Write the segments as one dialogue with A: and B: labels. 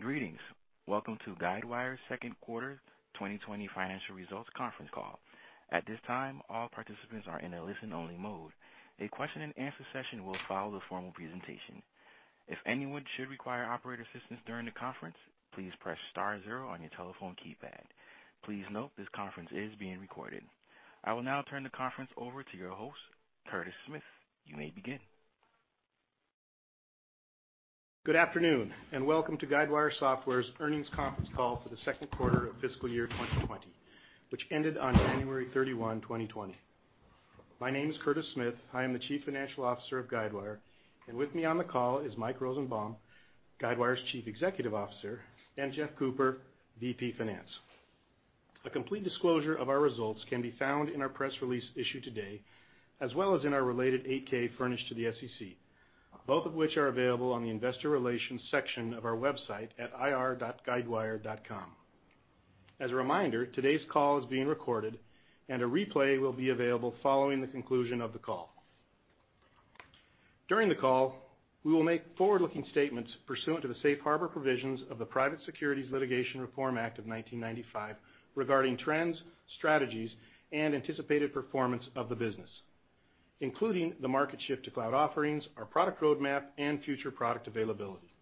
A: Greetings. Welcome to Guidewire's second quarter 2020 financial results conference call. At this time, all participants are in a listen-only mode. A Q&A session will follow the formal presentation. If anyone should require operator assistance during the conference, please press star zero on your telephone keypad. Please note this conference is being recorded. I will now turn the conference over to your host, Curtis Smith. You may begin.
B: Good afternoon, welcome to Guidewire Software's earnings conference call for the second quarter of fiscal year 2020, which ended on January 31, 2020. My name is Curtis Smith. I am the Chief Financial Officer of Guidewire. With me on the call is Mike Rosenbaum, Guidewire's Chief Executive Officer, and Jeff Cooper, VP Finance. A complete disclosure of our results can be found in our press release issued today, as well as in our related 8-K furnished to the SEC, both of which are available on the Investor Relations section of our website at ir.guidewire.com. A reminder, today's call is being recorded. A replay will be available following the conclusion of the call. During the call, we will make forward-looking statements pursuant to the safe harbor provisions of the Private Securities Litigation Reform Act of 1995 regarding trends, strategies, and anticipated performance of the business, including the market shift to cloud offerings, our product roadmap, and future product availability.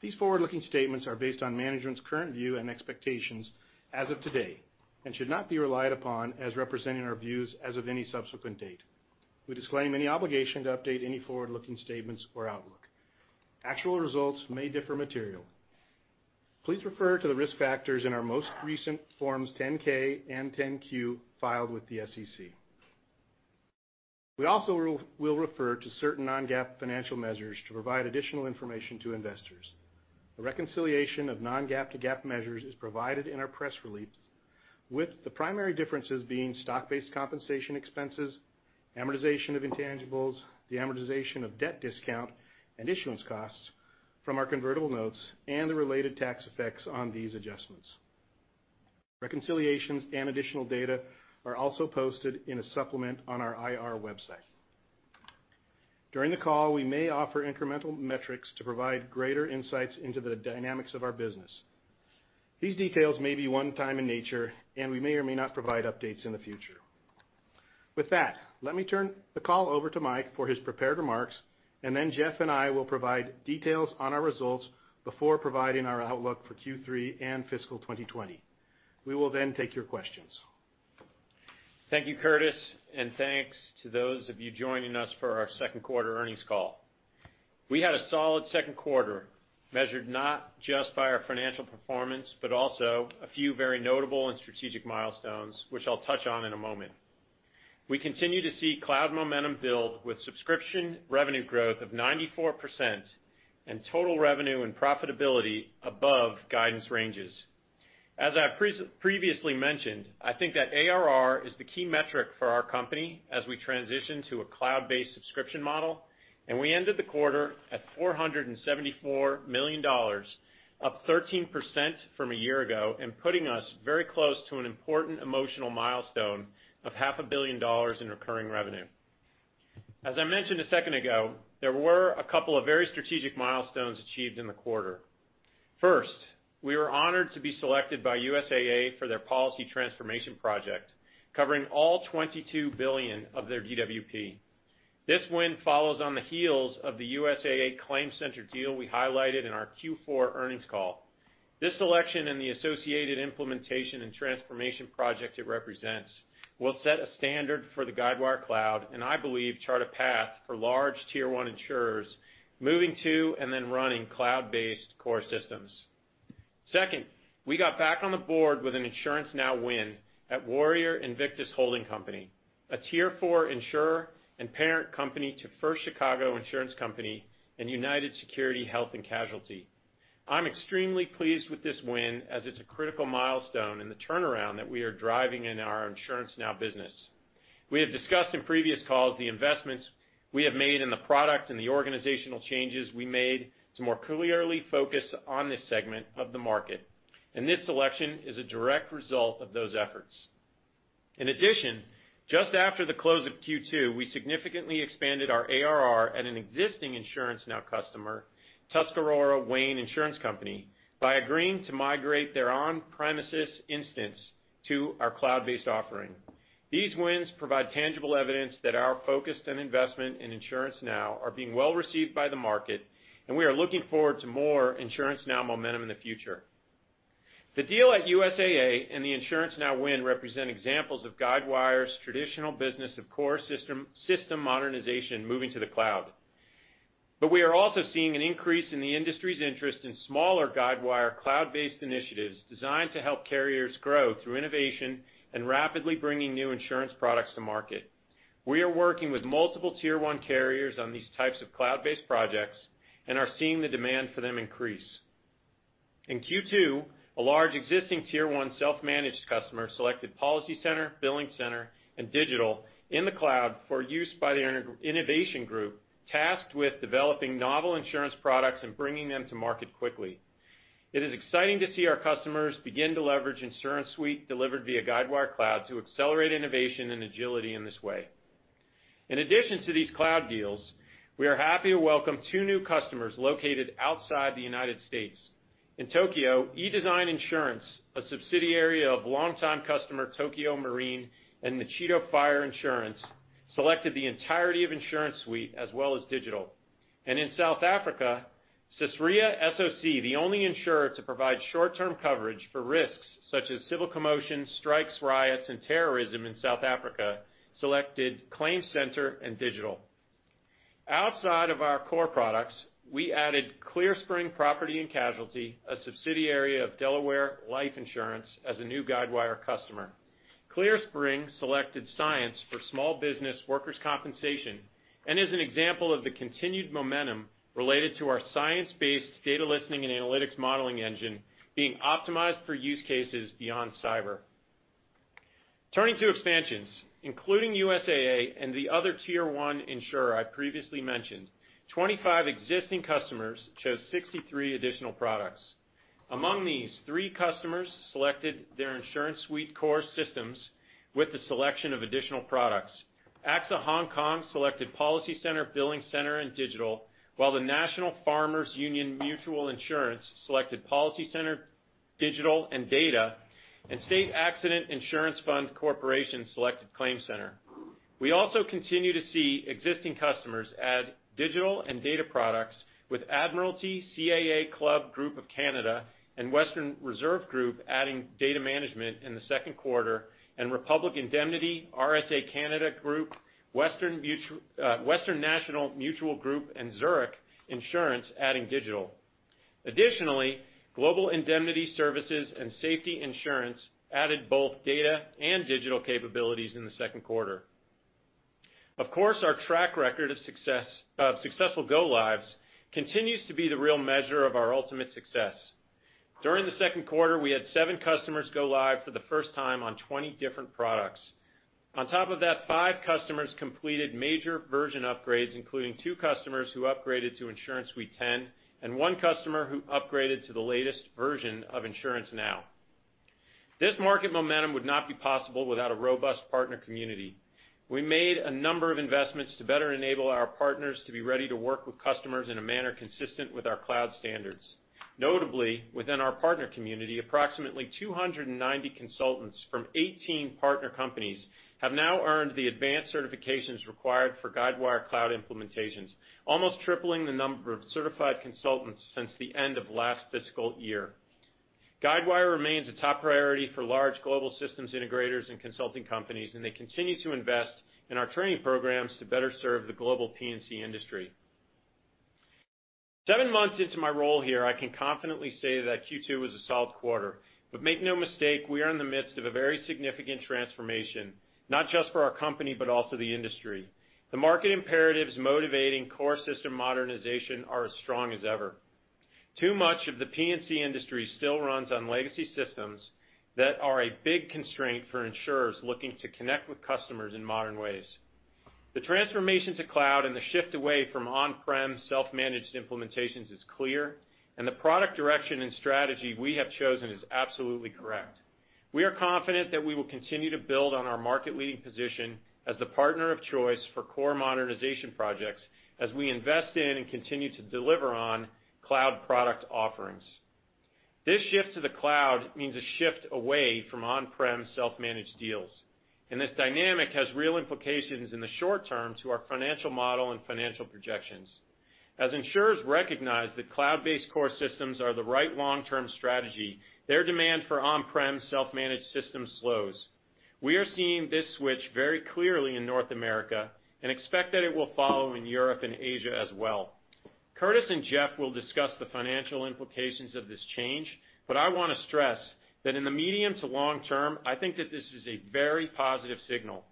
B: These forward-looking statements are based on management's current view and expectations as of today, and should not be relied upon as representing our views as of any subsequent date. We disclaim any obligation to update any forward-looking statements or outlook. Actual results may differ materially. Please refer to the risk factors in our most recent Forms 10-K and 10-Q filed with the SEC. We also will refer to certain non-GAAP financial measures to provide additional information to investors. A reconciliation of non-GAAP to GAAP measures is provided in our press release with the primary differences being stock-based compensation expenses, amortization of intangibles, the amortization of debt discount, and issuance costs from our convertible notes, and the related tax effects on these adjustments. Reconciliations and additional data are also posted in a supplement on our IR website. During the call, we may offer incremental metrics to provide greater insights into the dynamics of our business. These details may be one time in nature, and we may or may not provide updates in the future. With that, let me turn the call over to Mike for his prepared remarks, and then Jeff and I will provide details on our results before providing our outlook for Q3 and fiscal 2020. We will then take your questions.
C: Thank you, Curtis, and thanks to those of you joining us for our second quarter earnings call. We had a solid second quarter, measured not just by our financial performance, but also a few very notable and strategic milestones, which I'll touch on in a moment. We continue to see cloud momentum build with subscription revenue growth of 94% and total revenue and profitability above guidance ranges. As I previously mentioned, I think that ARR is the key metric for our company as we transition to a cloud-based subscription model, and we ended the quarter at $474 million, up 13% from a year ago, and putting us very close to an important emotional milestone of half a billion dollars in recurring revenue. As I mentioned a second ago, there were a couple of very strategic milestones achieved in the quarter. We were honored to be selected by USAA for their policy transformation project, covering all $22 billion of their DWP. This win follows on the heels of the USAA ClaimCenter deal we highlighted in our Q4 earnings call. This selection and the associated implementation and transformation project it represents will set a standard for the Guidewire Cloud, and I believe chart a path for large tier one insurers moving to and then running cloud-based core systems. We got back on the board with an InsuranceNow win at Warrior Invictus Holding Company, a tier four insurer and parent company to First Chicago Insurance Company and United Security Health and Casualty. I'm extremely pleased with this win, as it's a critical milestone in the turnaround that we are driving in our InsuranceNow business. We have discussed in previous calls the investments we have made in the product and the organizational changes we made to more clearly focus on this segment of the market, and this selection is a direct result of those efforts. In addition, just after the close of Q2, we significantly expanded our ARR at an existing InsuranceNow customer, Tuscarora Wayne Insurance Company, by agreeing to migrate their on-premises instance to our cloud-based offering. These wins provide tangible evidence that our focus and investment in InsuranceNow are being well received by the market, and we are looking forward to more InsuranceNow momentum in the future. The deal at USAA and the InsuranceNow win represent examples of Guidewire's traditional business of core system modernization moving to the cloud. We are also seeing an increase in the industry's interest in smaller Guidewire Cloud-based initiatives designed to help carriers grow through innovation and rapidly bringing new insurance products to market. We are working with multiple tier one carriers on these types of cloud-based projects and are seeing the demand for them increase. In Q2, a large existing tier one self-managed customer selected PolicyCenter, BillingCenter, and Digital in the cloud for use by their innovation group tasked with developing novel insurance products and bringing them to market quickly. It is exciting to see our customers begin to leverage InsuranceSuite delivered via Guidewire Cloud to accelerate innovation and agility in this way. In addition to these cloud deals, we are happy to welcome two new customers located outside the U.S. In Tokyo, E.design Insurance, a subsidiary of longtime customer Tokio Marine and Nichido Fire Insurance, selected the entirety of InsuranceSuite as well as Digital. In South Africa, Sasria SOC, the only insurer to provide short-term coverage for risks such as civil commotion, strikes, riots, and terrorism in South Africa, selected ClaimCenter and Digital. Outside of our core products, we added Clear Spring Property and Casualty, a subsidiary of Delaware Life Insurance, as a new Guidewire customer. Clear Spring selected Cyence for small business workers' compensation and is an example of the continued momentum related to our Cyence-based data listening and analytics modeling engine being optimized for use cases beyond cyber. Turning to expansions, including USAA and the other tier one insurer I previously mentioned, 25 existing customers chose 63 additional products. Among these, three customers selected their InsuranceSuite core systems with the selection of additional products. AXA Hong Kong selected PolicyCenter, BillingCenter, and Digital, while the National Farmers Union Mutual Insurance selected PolicyCenter, Digital, and Data, and State Accident Insurance Fund Corporation selected ClaimCenter. We also continue to see existing customers add Digital and Data products with Admiralty, CAA Club Group of Canada, and Western Reserve Group adding Data Management in the second quarter and Republic Indemnity, RSA Canada Group, Western National Insurance Group, and Zurich Insurance adding Digital. Additionally, Global Indemnity Services and Safety Insurance added both data and digital capabilities in the second quarter. Of course, our track record of successful go-lives continues to be the real measure of our ultimate success. During the second quarter, we had seven customers go live for the first time on 20 different products. On top of that, five customers completed major version upgrades, including two customers who upgraded to InsuranceSuite 10 and one customer who upgraded to the latest version of InsuranceNow. This market momentum would not be possible without a robust partner community. We made a number of investments to better enable our partners to be ready to work with customers in a manner consistent with our Guidewire Cloud standards. Notably, within our partner community, approximately 290 consultants from 18 partner companies have now earned the advanced certifications required for Guidewire Cloud implementations, almost tripling the number of certified consultants since the end of last fiscal year. Guidewire remains a top priority for large global systems integrators and consulting companies, and they continue to invest in our training programs to better serve the global P&C industry. Seven months into my role here, I can confidently say that Q2 was a solid quarter. Make no mistake, we are in the midst of a very significant transformation, not just for our company, but also the industry. The market imperatives motivating core system modernization are as strong as ever. Too much of the P&C industry still runs on legacy systems that are a big constraint for insurers looking to connect with customers in modern ways. The transformation to cloud and the shift away from on-prem, self-managed implementations is clear, and the product direction and strategy we have chosen is absolutely correct. We are confident that we will continue to build on our market-leading position as the partner of choice for core modernization projects as we invest in and continue to deliver on cloud product offerings. This shift to the cloud means a shift away from on-prem, self-managed deals. This dynamic has real implications in the short term to our financial model and financial projections. As insurers recognize that cloud-based core systems are the right long-term strategy, their demand for on-prem, self-managed systems slows. We are seeing this switch very clearly in North America and expect that it will follow in Europe and Asia as well. Curtis and Jeff will discuss the financial implications of this change, but I want to stress that in the medium to long term, I think that this is a very positive signal.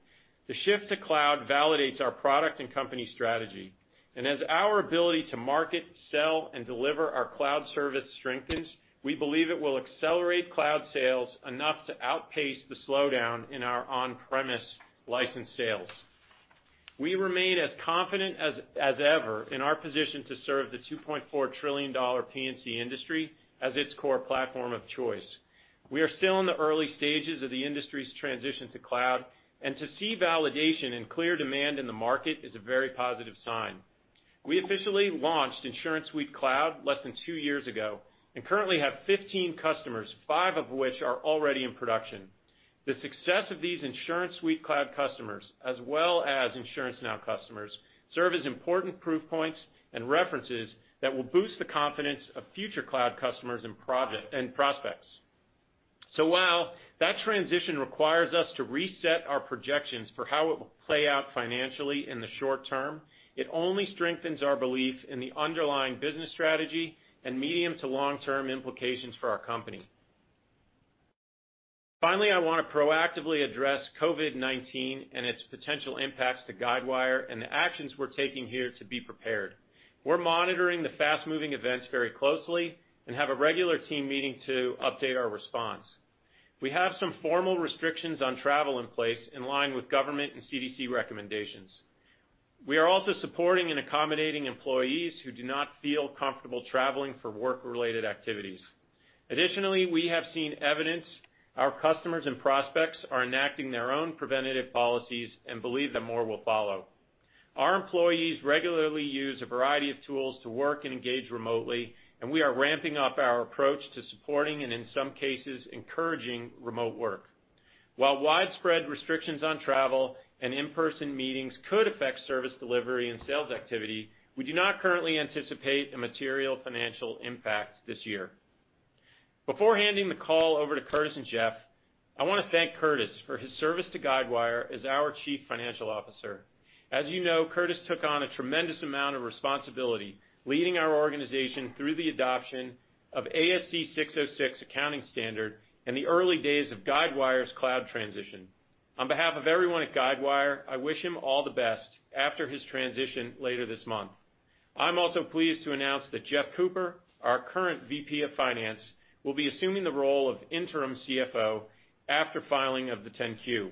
C: The shift to cloud validates our product and company strategy. As our ability to market, sell, and deliver our cloud service strengthens, we believe it will accelerate cloud sales enough to outpace the slowdown in our on-premise license sales. We remain as confident as ever in our position to serve the $2.4 trillion P&C industry as its core platform of choice. We are still in the early stages of the industry's transition to cloud, and to see validation and clear demand in the market is a very positive sign. We officially launched InsuranceSuite Cloud less than two years ago and currently have 15 customers, five of which are already in production. The success of these InsuranceSuite Cloud customers, as well as InsuranceNow customers, serve as important proof points and references that will boost the confidence of future cloud customers and prospects. While that transition requires us to reset our projections for how it will play out financially in the short term, it only strengthens our belief in the underlying business strategy and medium to long-term implications for our company. Finally, I want to proactively address COVID-19 and its potential impacts to Guidewire and the actions we're taking here to be prepared. We're monitoring the fast-moving events very closely and have a regular team meeting to update our response. We have some formal restrictions on travel in place in line with government and CDC recommendations. We are also supporting and accommodating employees who do not feel comfortable traveling for work-related activities. Additionally, we have seen evidence our customers and prospects are enacting their own preventative policies and believe that more will follow. Our employees regularly use a variety of tools to work and engage remotely, and we are ramping up our approach to supporting and, in some cases, encouraging remote work. While widespread restrictions on travel and in-person meetings could affect service delivery and sales activity, we do not currently anticipate a material financial impact this year. Before handing the call over to Curtis and Jeff, I want to thank Curtis for his service to Guidewire as our Chief Financial Officer. As you know, Curtis took on a tremendous amount of responsibility, leading our organization through the adoption of ASC 606 accounting standard in the early days of Guidewire's cloud transition. On behalf of everyone at Guidewire, I wish him all the best after his transition later this month. I'm also pleased to announce that Jeff Cooper, our current VP of Finance, will be assuming the role of interim CFO after filing of the 10-Q.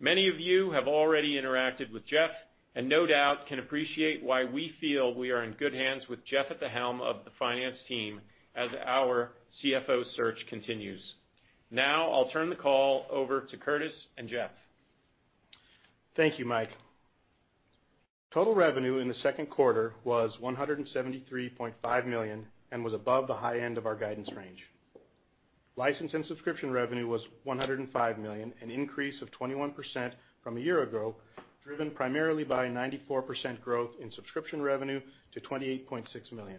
C: Many of you have already interacted with Jeff and no doubt can appreciate why we feel we are in good hands with Jeff at the helm of the finance team as our CFO search continues. I'll turn the call over to Curtis and Jeff.
B: Thank you, Mike. Total revenue in the second quarter was $173.5 million and was above the high end of our guidance range. License and subscription revenue was $105 million, an increase of 21% from a year ago, driven primarily by a 94% growth in subscription revenue to $28.6 million.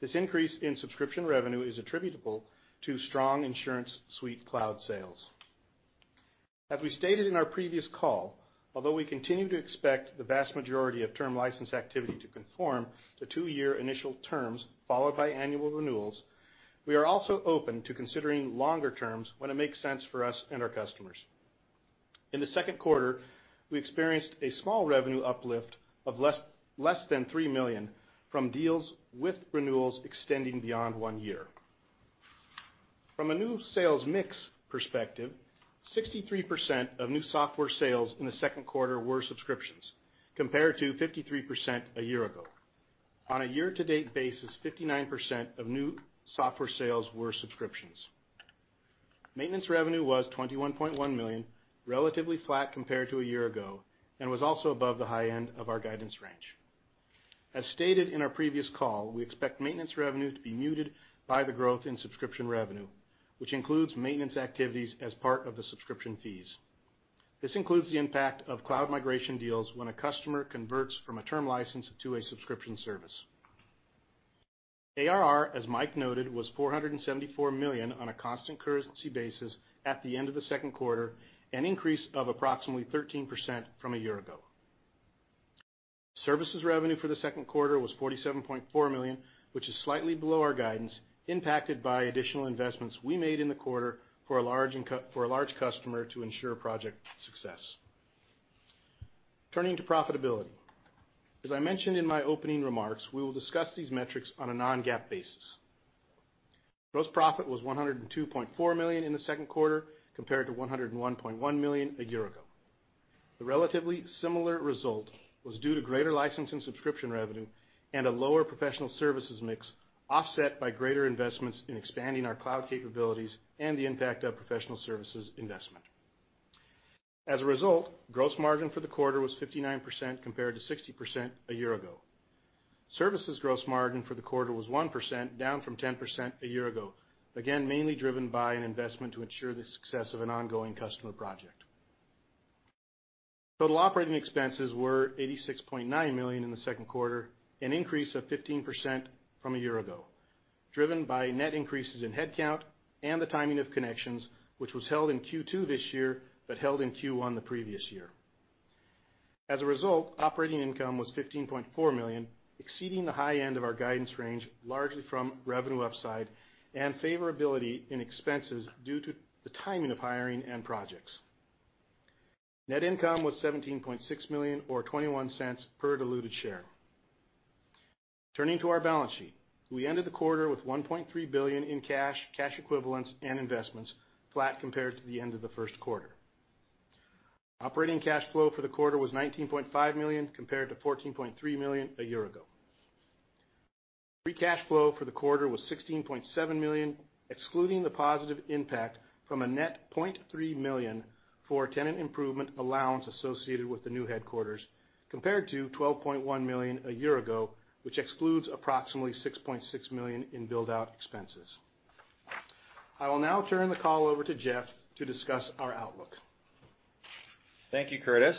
B: This increase in subscription revenue is attributable to strong InsuranceSuite Cloud sales. As we stated in our previous call, although we continue to expect the vast majority of term license activity to conform to two-year initial terms followed by annual renewals, we are also open to considering longer terms when it makes sense for us and our customers. In the second quarter, we experienced a small revenue uplift of less than $3 million from deals with renewals extending beyond one year. From a new sales mix perspective, 63% of new software sales in the second quarter were subscriptions, compared to 53% a year ago. On a year-to-date basis, 59% of new software sales were subscriptions. Maintenance revenue was $21.1 million, relatively flat compared to a year ago, and was also above the high end of our guidance range. As stated in our previous call, we expect maintenance revenue to be muted by the growth in subscription revenue, which includes maintenance activities as part of the subscription fees. This includes the impact of cloud migration deals when a customer converts from a term license to a subscription service. ARR, as Mike noted, was $474 million on a constant currency basis at the end of the second quarter, an increase of approximately 13% from a year ago. Services revenue for the second quarter was $47.4 million, which is slightly below our guidance, impacted by additional investments we made in the quarter for a large customer to ensure project success. Turning to profitability. As I mentioned in my opening remarks, we will discuss these metrics on a non-GAAP basis. Gross profit was $102.4 million in the second quarter, compared to $101.1 million a year ago. The relatively similar result was due to greater license and subscription revenue and a lower professional services mix, offset by greater investments in expanding our cloud capabilities and the impact of professional services investment. Gross margin for the quarter was 59% compared to 60% a year ago. Services gross margin for the quarter was 1%, down from 10% a year ago, again, mainly driven by an investment to ensure the success of an ongoing customer project. Total operating expenses were $86.9 million in the second quarter, an increase of 15% from a year ago, driven by net increases in headcount and the timing of Connections, which was held in Q2 this year, but held in Q1 the previous year. Operating income was $15.4 million, exceeding the high end of our guidance range, largely from revenue upside and favorability in expenses due to the timing of hiring and projects. Net income was $17.6 million or $0.21 per diluted share. Turning to our balance sheet. We ended the quarter with $1.3 billion in cash equivalents and investments, flat compared to the end of the first quarter. Operating cash flow for the quarter was $19.5 million, compared to $14.3 million a year ago. Free cash flow for the quarter was $16.7 million, excluding the positive impact from a net $0.3 million for tenant improvement allowance associated with the new headquarters, compared to $12.1 million a year ago, which excludes approximately $6.6 million in build-out expenses. I will now turn the call over to Jeff to discuss our outlook.
D: Thank you, Curtis.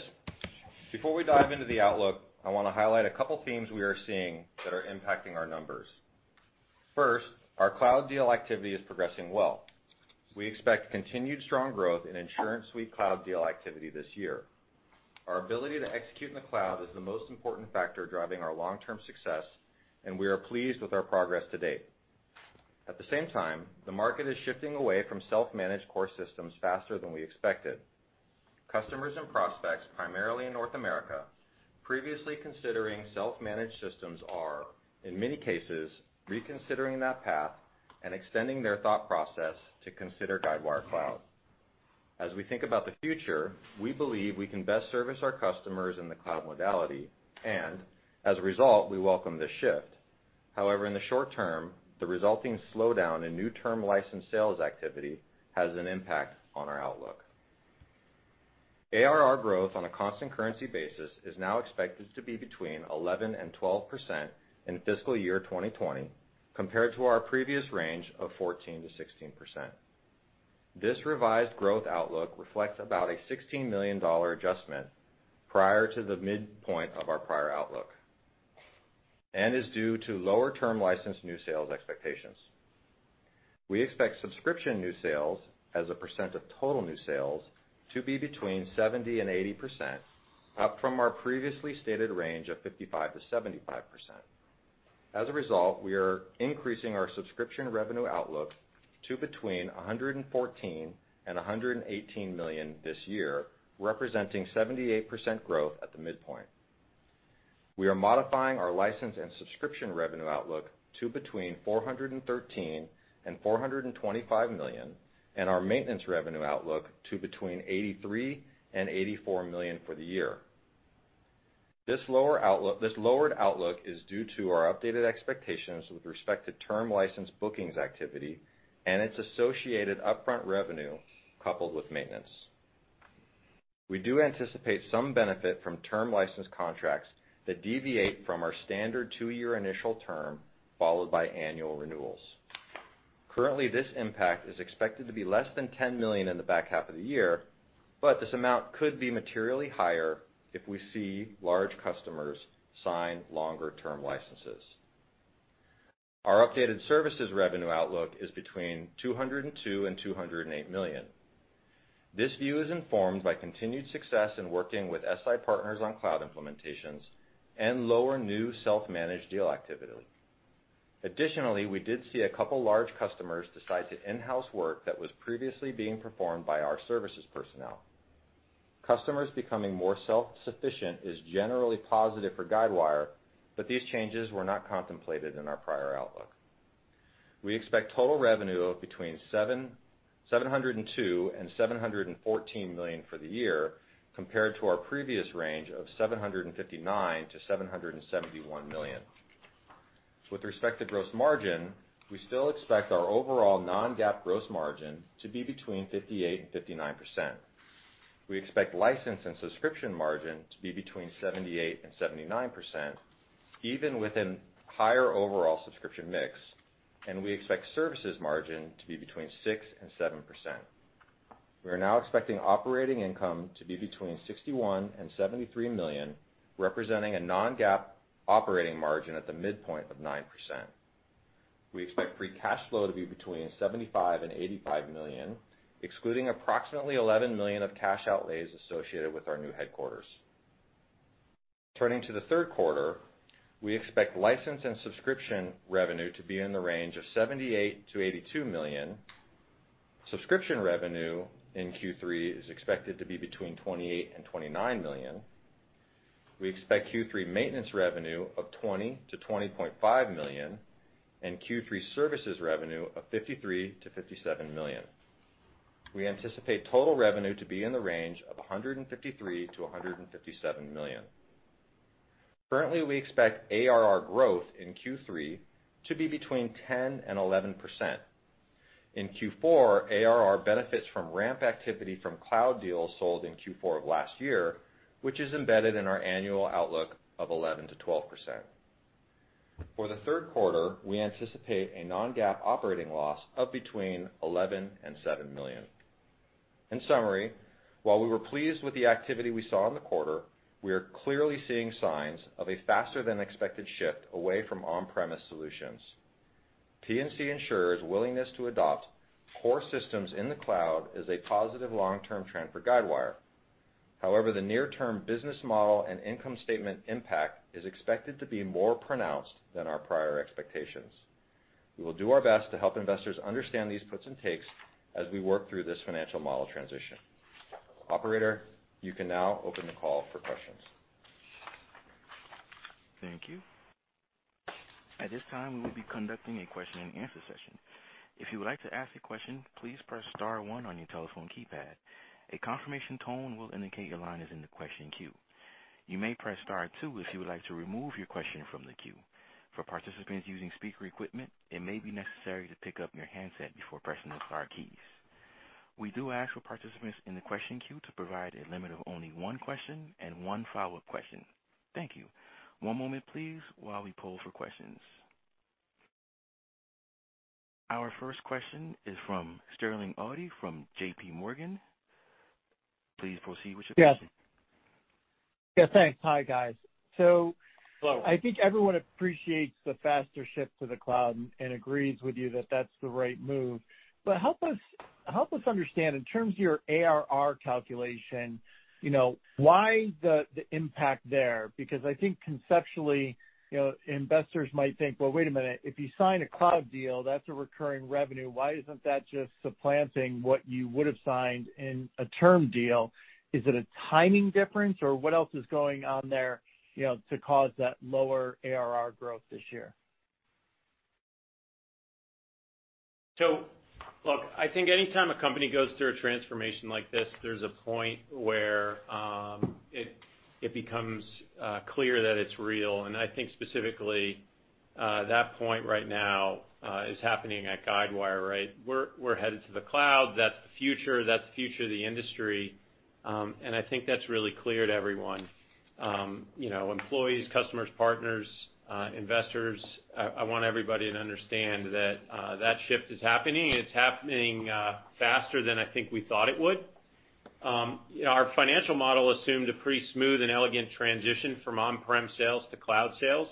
D: Before we dive into the outlook, I want to highlight a couple themes we are seeing that are impacting our numbers. First, our cloud deal activity is progressing well. We expect continued strong growth in InsuranceSuite cloud deal activity this year. Our ability to execute in the cloud is the most important factor driving our long-term success, and we are pleased with our progress to date. At the same time, the market is shifting away from self-managed core systems faster than we expected. Customers and prospects, primarily in North America, previously considering self-managed systems are, in many cases, reconsidering that path and extending their thought process to consider Guidewire Cloud. As we think about the future, we believe we can best service our customers in the cloud modality, and as a result, we welcome this shift. In the short term, the resulting slowdown in new term license sales activity has an impact on our outlook. ARR growth on a constant currency basis is now expected to be between 11% and 12% in fiscal year 2020, compared to our previous range of 14%-16%. This revised growth outlook reflects about a $16 million adjustment prior to the midpoint of our prior outlook and is due to lower term license new sales expectations. We expect subscription new sales as a percent of total new sales to be between 70% and 80%, up from our previously stated range of 55%-75%. We are increasing our subscription revenue outlook to between $114 million and $118 million this year, representing 78% growth at the midpoint. We are modifying our license and subscription revenue outlook to between $413 million and $425 million, and our maintenance revenue outlook to between $83 million and $84 million for the year. This lowered outlook is due to our updated expectations with respect to term license bookings activity and its associated upfront revenue coupled with maintenance. We do anticipate some benefit from term license contracts that deviate from our standard two-year initial term, followed by annual renewals. Currently, this impact is expected to be less than $10 million in the back half of the year, but this amount could be materially higher if we see large customers sign longer-term licenses. Our updated services revenue outlook is between $202 million and $208 million. This view is informed by continued success in working with SI partners on cloud implementations and lower new self-managed deal activity. Additionally, we did see a couple large customers decide to in-house work that was previously being performed by our services personnel. Customers becoming more self-sufficient is generally positive for Guidewire, but these changes were not contemplated in our prior outlook. We expect total revenue of between $702 million and $714 million for the year, compared to our previous range of $759 million-$771 million. With respect to gross margin, we still expect our overall non-GAAP gross margin to be between 58% and 59%. We expect license and subscription margin to be between 78% and 79%, even with a higher overall subscription mix, and we expect services margin to be between 6% and 7%. We are now expecting operating income to be between $61 million and $73 million, representing a non-GAAP operating margin at the midpoint of 9%. We expect free cash flow to be between $75 million and $85 million, excluding approximately $11 million of cash outlays associated with our new headquarters. Turning to the third quarter, we expect license and subscription revenue to be in the range of $78 million-$82 million. Subscription revenue in Q3 is expected to be between $28 million and $29 million. We expect Q3 maintenance revenue of $20 million-$20.5 million and Q3 services revenue of $53 million-$57 million. We anticipate total revenue to be in the range of $153 million-$157 million. Currently, we expect ARR growth in Q3 to be between 10% and 11%. In Q4, ARR benefits from ramp activity from cloud deals sold in Q4 of last year, which is embedded in our annual outlook of 11%-12%. For the third quarter, we anticipate a non-GAAP operating loss of between $11 million and $7 million. In summary, while we were pleased with the activity we saw in the quarter, we are clearly seeing signs of a faster-than-expected shift away from on-premise solutions. P&C insurers' willingness to adopt core systems in the cloud is a positive long-term trend for Guidewire. However, the near-term business model and income statement impact is expected to be more pronounced than our prior expectations. We will do our best to help investors understand these puts and takes as we work through this financial model transition. Operator, you can now open the call for questions.
A: Thank you. At this time, we will be conducting a Q&A session. If you would like to ask a question, please press star one on your telephone keypad. A confirmation tone will indicate your line is in the question queue. You may press star two if you would like to remove your question from the queue. For participants using speaker equipment, it may be necessary to pick up your handset before pressing the star keys. We do ask for participants in the question queue to provide a limit of only one question and one follow-up question. Thank you. One moment, please, while we poll for questions. Our first question is from Sterling Auty from JPMorgan. Please proceed with your question.
E: Yes. Yeah, thanks. Hi, guys.
C: Hello.
E: I think everyone appreciates the faster shift to the cloud and agrees with you that that's the right move. Help us understand, in terms of your ARR calculation, why the impact there? I think conceptually, investors might think, "Well, wait a minute. If you sign a cloud deal, that's a recurring revenue. Why isn't that just supplanting what you would have signed in a term deal?" Is it a timing difference, or what else is going on there to cause that lower ARR growth this year?
C: Look, I think anytime a company goes through a transformation like this, there's a point where it becomes clear that it's real. I think specifically, that point right now is happening at Guidewire, right? We're headed to the cloud. That's the future, that's the future of the industry. I think that's really clear to everyone. Employees, customers, partners, investors, I want everybody to understand that shift is happening. It's happening faster than I think we thought it would. Our financial model assumed a pretty smooth and elegant transition from on-prem sales to cloud sales,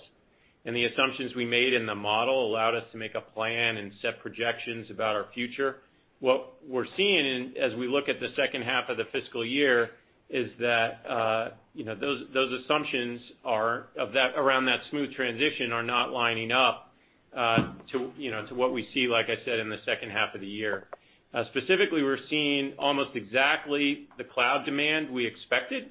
C: and the assumptions we made in the model allowed us to make a plan and set projections about our future. What we're seeing as we look at the second half of the fiscal year is that those assumptions around that smooth transition are not lining up to what we see, like I said, in the second half of the year. We're seeing almost exactly the cloud demand we expected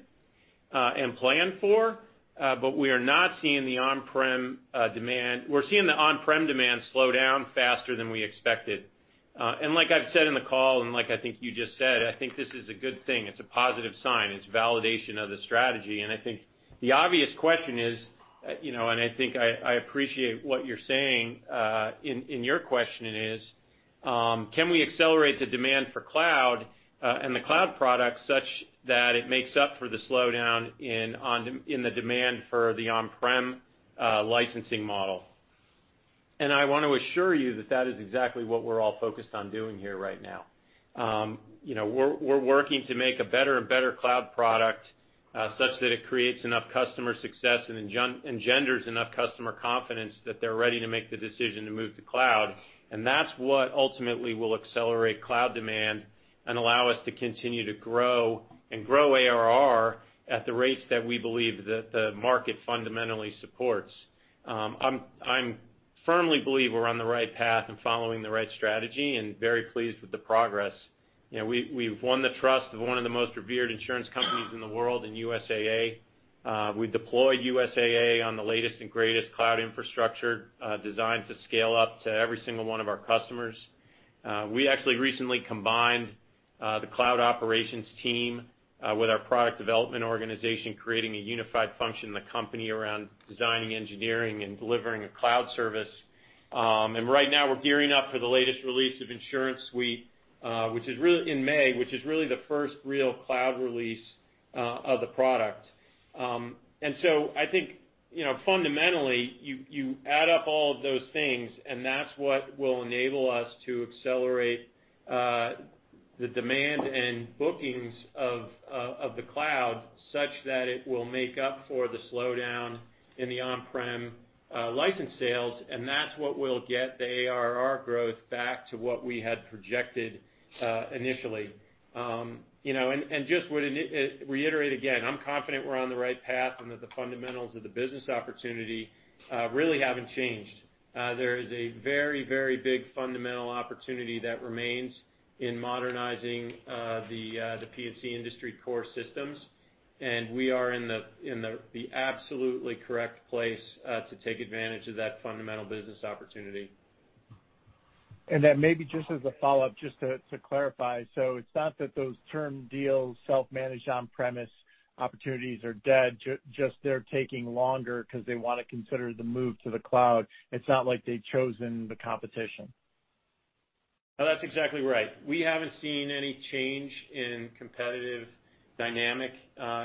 C: and planned for, but we are not seeing the on-prem demand. We're seeing the on-prem demand slow down faster than we expected. Like I've said in the call, and like, I think you just said, I think this is a good thing. It's a positive sign. It's validation of the strategy. I think the obvious question is, and I think I appreciate what you're saying, in your question is, can we accelerate the demand for cloud and the cloud product such that it makes up for the slowdown in the demand for the on-prem licensing model? I want to assure you that that is exactly what we're all focused on doing here right now. We're working to make a better and better cloud product, such that it creates enough customer success and engenders enough customer confidence that they're ready to make the decision to move to cloud. That's what ultimately will accelerate cloud demand and allow us to continue to grow and grow ARR at the rates that we believe that the market fundamentally supports. I firmly believe we're on the right path and following the right strategy and very pleased with the progress. We've won the trust of one of the most revered insurance companies in the world in USAA. We deployed USAA on the latest and greatest cloud infrastructure, designed to scale up to every single one of our customers. We actually recently combined the cloud operations team with our product development organization, creating a unified function in the company around designing, engineering, and delivering a cloud service. Right now, we're gearing up for the latest release of InsuranceSuite in May, which is really the first real cloud release of the product. I think, fundamentally, you add up all of those things, and that's what will enable us to accelerate the demand and bookings of the cloud such that it will make up for the slowdown in the on-prem license sales, and that's what will get the ARR growth back to what we had projected initially. Just would reiterate again, I'm confident we're on the right path and that the fundamentals of the business opportunity really haven't changed. There is a very, very big fundamental opportunity that remains in modernizing the P&C industry core systems. We are in the absolutely correct place to take advantage of that fundamental business opportunity.
E: Maybe just as a follow-up, just to clarify. It's not that those term deals, self-managed on-premise opportunities are dead, just they're taking longer because they want to consider the move to the cloud. It's not like they've chosen the competition.
C: That's exactly right. We haven't seen any change in competitive dynamic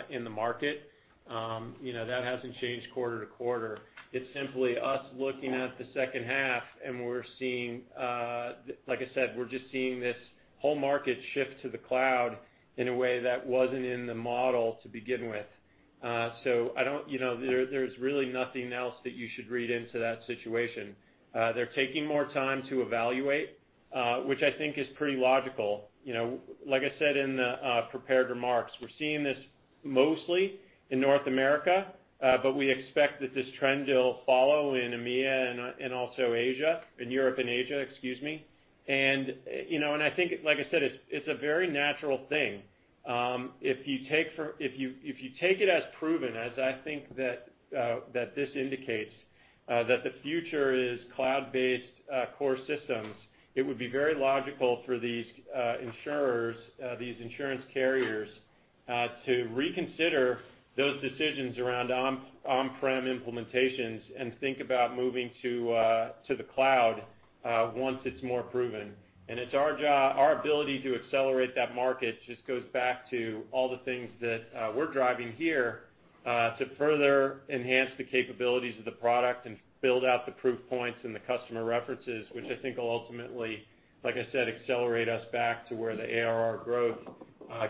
C: in the market. That hasn't changed quarter to quarter. It's simply us looking at the second half, and like I said, we're just seeing this whole market shift to the cloud in a way that wasn't in the model to begin with. There's really nothing else that you should read into that situation. They're taking more time to evaluate, which I think is pretty logical. Like I said in the prepared remarks, we're seeing this mostly in North America, but we expect that this trend will follow in EMEA and also Asia, in Europe and Asia, excuse me. I think, like I said, it's a very natural thing. If you take it as proven, as I think that this indicates, that the future is cloud-based core systems, it would be very logical for these insurers, these insurance carriers, to reconsider those decisions around on-prem implementations and think about moving to the cloud once it's more proven. It's our job, our ability to accelerate that market just goes back to all the things that we're driving here, to further enhance the capabilities of the product and build out the proof points and the customer references, which I think will ultimately, like I said, accelerate us back to where the ARR growth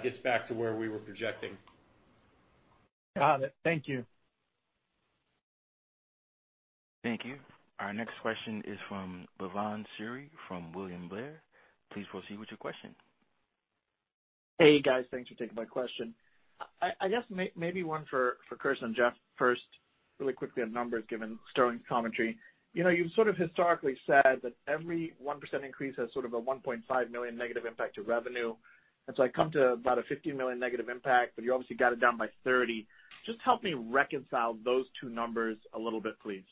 C: gets back to where we were projecting.
E: Got it. Thank you.
A: Thank you. Our next question is from Bhavan Suri from William Blair. Please proceed with your question.
F: Hey, guys. Thanks for taking my question. I guess maybe one for Curtis and Jeff first, really quickly on numbers, given Sterling's commentary. You've sort of historically said that every 1% increase has sort of a $1.5 million negative impact to revenue. I come to about a $15 million negative impact, but you obviously got it down by $30 million. Just help me reconcile those two numbers a little bit, please.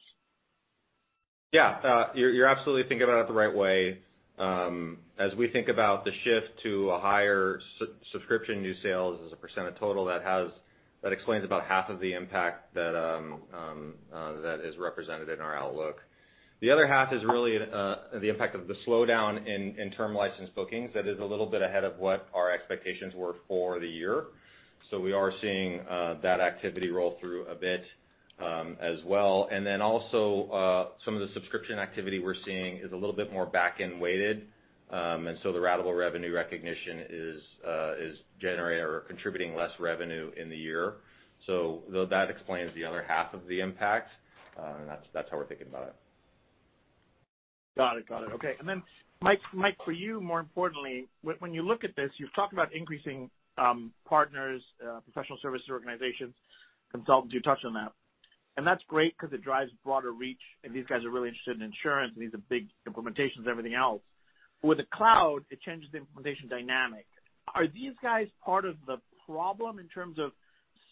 D: You're absolutely thinking about it the right way. As we think about the shift to a higher subscription new sales as a percent of total, that explains about half of the impact that is represented in our outlook. The other half is really the impact of the slowdown in term license bookings that is a little bit ahead of what our expectations were for the year. We are seeing that activity roll through a bit as well. Also some of the subscription activity we're seeing is a little bit more back-end weighted. The ratable revenue recognition is generating or contributing less revenue in the year. That explains the other half of the impact. That's how we're thinking about it.
F: Got it. Okay. Mike, for you, more importantly, when you look at this, you've talked about increasing partners, professional service organizations, consultants, you touched on that. That's great because it drives broader reach, and these guys are really interested in insurance, and these are big implementations and everything else. With the cloud, it changes the implementation dynamic. Are these guys part of the problem in terms of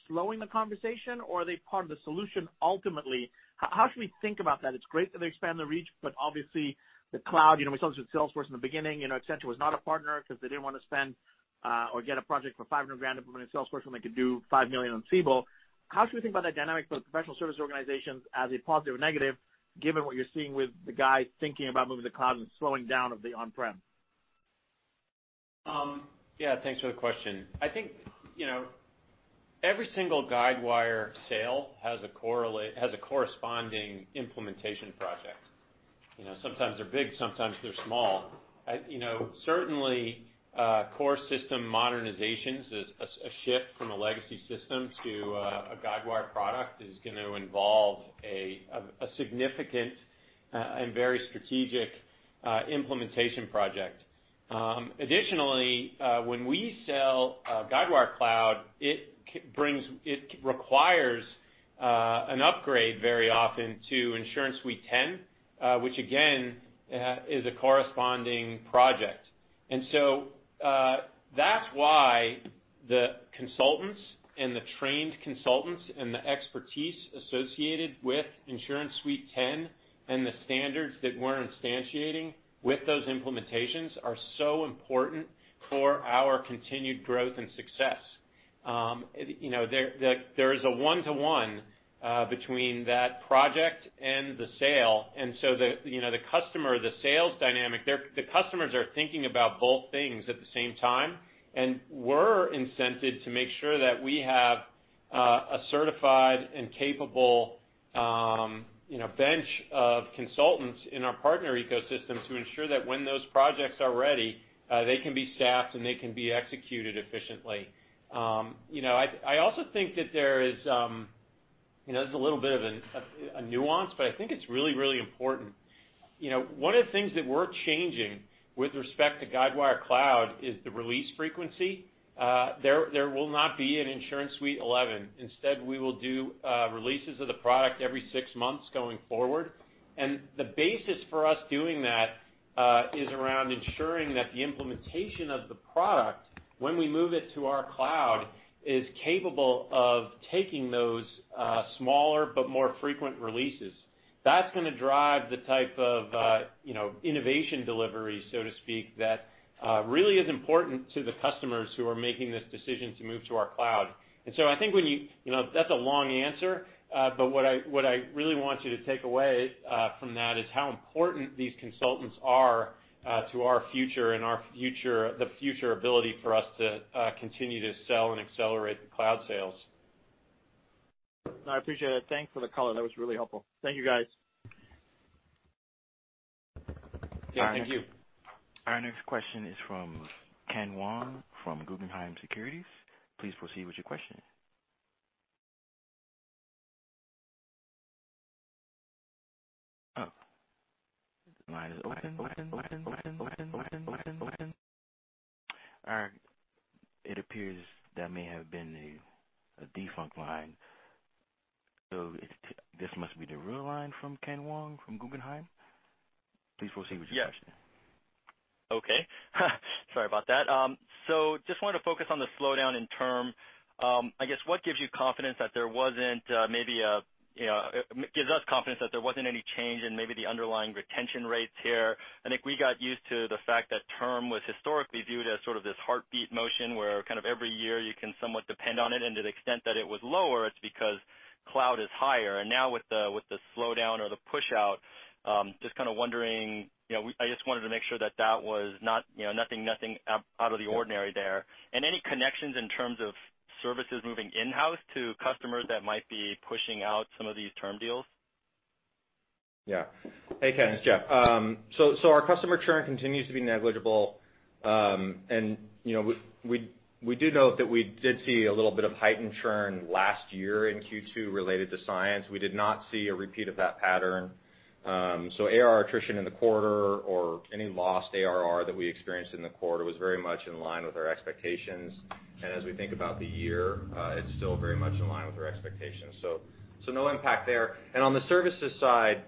F: slowing the conversation, or are they part of the solution ultimately? How should we think about that? It's great that they expand the reach, obviously the cloud, we saw this with Salesforce in the beginning. Accenture was not a partner because they didn't want to spend or get a project for $500,000 implemented in Salesforce when they could do $5 million on Siebel. How should we think about that dynamic for the professional service organizations as a positive or negative, given what you're seeing with the guys thinking about moving to the cloud and slowing down of the on-prem?
C: Thanks for the question. I think every single Guidewire sale has a corresponding implementation project. Sometimes they're big, sometimes they're small. Certainly, core system modernizations is a shift from a legacy system to a Guidewire product is going to involve a significant and very strategic implementation project. Additionally, when we sell Guidewire Cloud, it requires an upgrade very often to InsuranceSuite 10, which again, is a corresponding project. That's why the consultants and the trained consultants and the expertise associated with InsuranceSuite 10 and the standards that we're instantiating with those implementations are so important for our continued growth and success. There is a one-to-one between that project and the sale. The customer, the sales dynamic, the customers are thinking about both things at the same time, and we're incented to make sure that we have a certified and capable bench of consultants in our partner ecosystem to ensure that when those projects are ready, they can be staffed, and they can be executed efficiently. I also think that there's a little bit of a nuance, but I think it's really important. One of the things that we're changing with respect to Guidewire Cloud is the release frequency. There will not be an InsuranceSuite 11. We will do releases of the product every six months going forward. The basis for us doing that is around ensuring that the implementation of the product when we move it to our Cloud is capable of taking those smaller but more frequent releases. That's going to drive the type of innovation delivery, so to speak, that really is important to the customers who are making this decision to move to our Cloud. I think that's a long answer, but what I really want you to take away from that is how important these consultants are to our future and the future ability for us to continue to sell and accelerate the Cloud sales.
F: No, I appreciate it. Thanks for the color. That was really helpful. Thank you, guys.
C: Yeah, thank you.
A: Our next question is from Ken Wong from Guggenheim Securities. Please proceed with your question. Oh. Line is open. It appears that may have been a defunct line. This must be the real line from Ken Wong from Guggenheim. Please proceed with your question.
G: Yes. Okay. Sorry about that. Just wanted to focus on the slowdown in term. I guess, what gives you confidence that there wasn't any change in maybe the underlying retention rates here. I think we got used to the fact that term was historically viewed as sort of this heartbeat motion where kind of every year you can somewhat depend on it, and to the extent that it was lower, it's because cloud is higher. Now with the slowdown or the push-out, just kind of wondering, I just wanted to make sure that was nothing out of the ordinary there. Any connections in terms of services moving in-house to customers that might be pushing out some of these term deals?
D: Yeah. Hey, Ken, it's Jeff. Our customer churn continues to be negligible. We do note that we did see a little bit of heightened churn last year in Q2 related to Cyence. We did not see a repeat of that pattern. ARR attrition in the quarter or any lost ARR that we experienced in the quarter was very much in line with our expectations. As we think about the year, it's still very much in line with our expectations. No impact there. On the services side,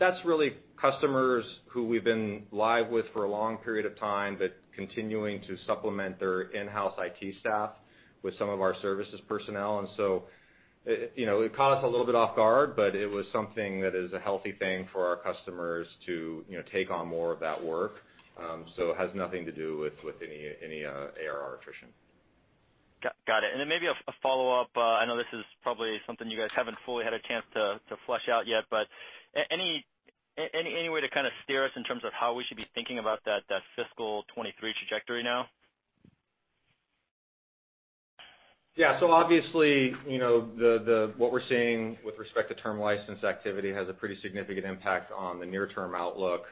D: that's really customers who we've been live with for a long period of time that continuing to supplement their in-house IT staff with some of our services personnel. It caught us a little bit off guard, but it was something that is a healthy thing for our customers to take on more of that work. It has nothing to do with any ARR attrition.
G: Got it. Maybe a follow-up. I know this is probably something you guys haven't fully had a chance to flesh out yet, but any way to kind of steer us in terms of how we should be thinking about that fiscal 2023 trajectory now?
D: Obviously, what we're seeing with respect to term license activity has a pretty significant impact on the near-term outlook.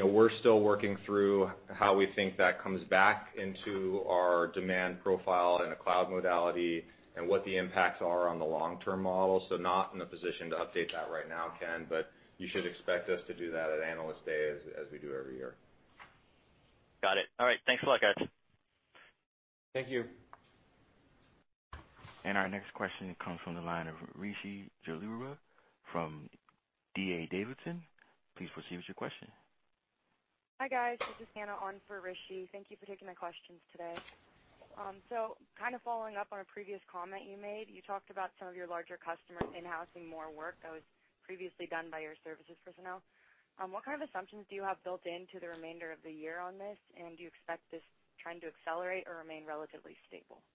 D: We're still working through how we think that comes back into our demand profile in a cloud modality, and what the impacts are on the long-term model. Not in a position to update that right now, Ken, but you should expect us to do that at Analyst Day, as we do every year.
G: Got it. All right. Thanks a lot, guys.
D: Thank you.
A: Our next question comes from the line of Rishi Jaluria from D.A. Davidson. Please proceed with your question.
H: Hi, guys. This is Hannah on for Rishi. Thank you for taking my questions today. Kind of following up on a previous comment you made, you talked about some of your larger customers in-housing more work that was previously done by your services personnel. What kind of assumptions do you have built into the remainder of the year on this? Do you expect this trend to accelerate or remain relatively stable?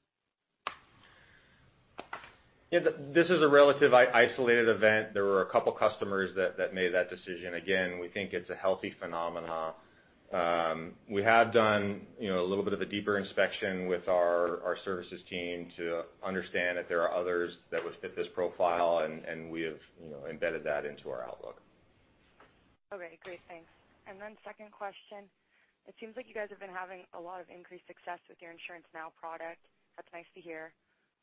D: This is a relative isolated event. There were a couple customers that made that decision. We think it's a healthy phenomena. We have done a little bit of a deeper inspection with our services team to understand if there are others that would fit this profile, and we have embedded that into our outlook.
H: Okay, great. Thanks. Second question. It seems like you guys have been having a lot of increased success with your InsuranceNow product. That's nice to hear.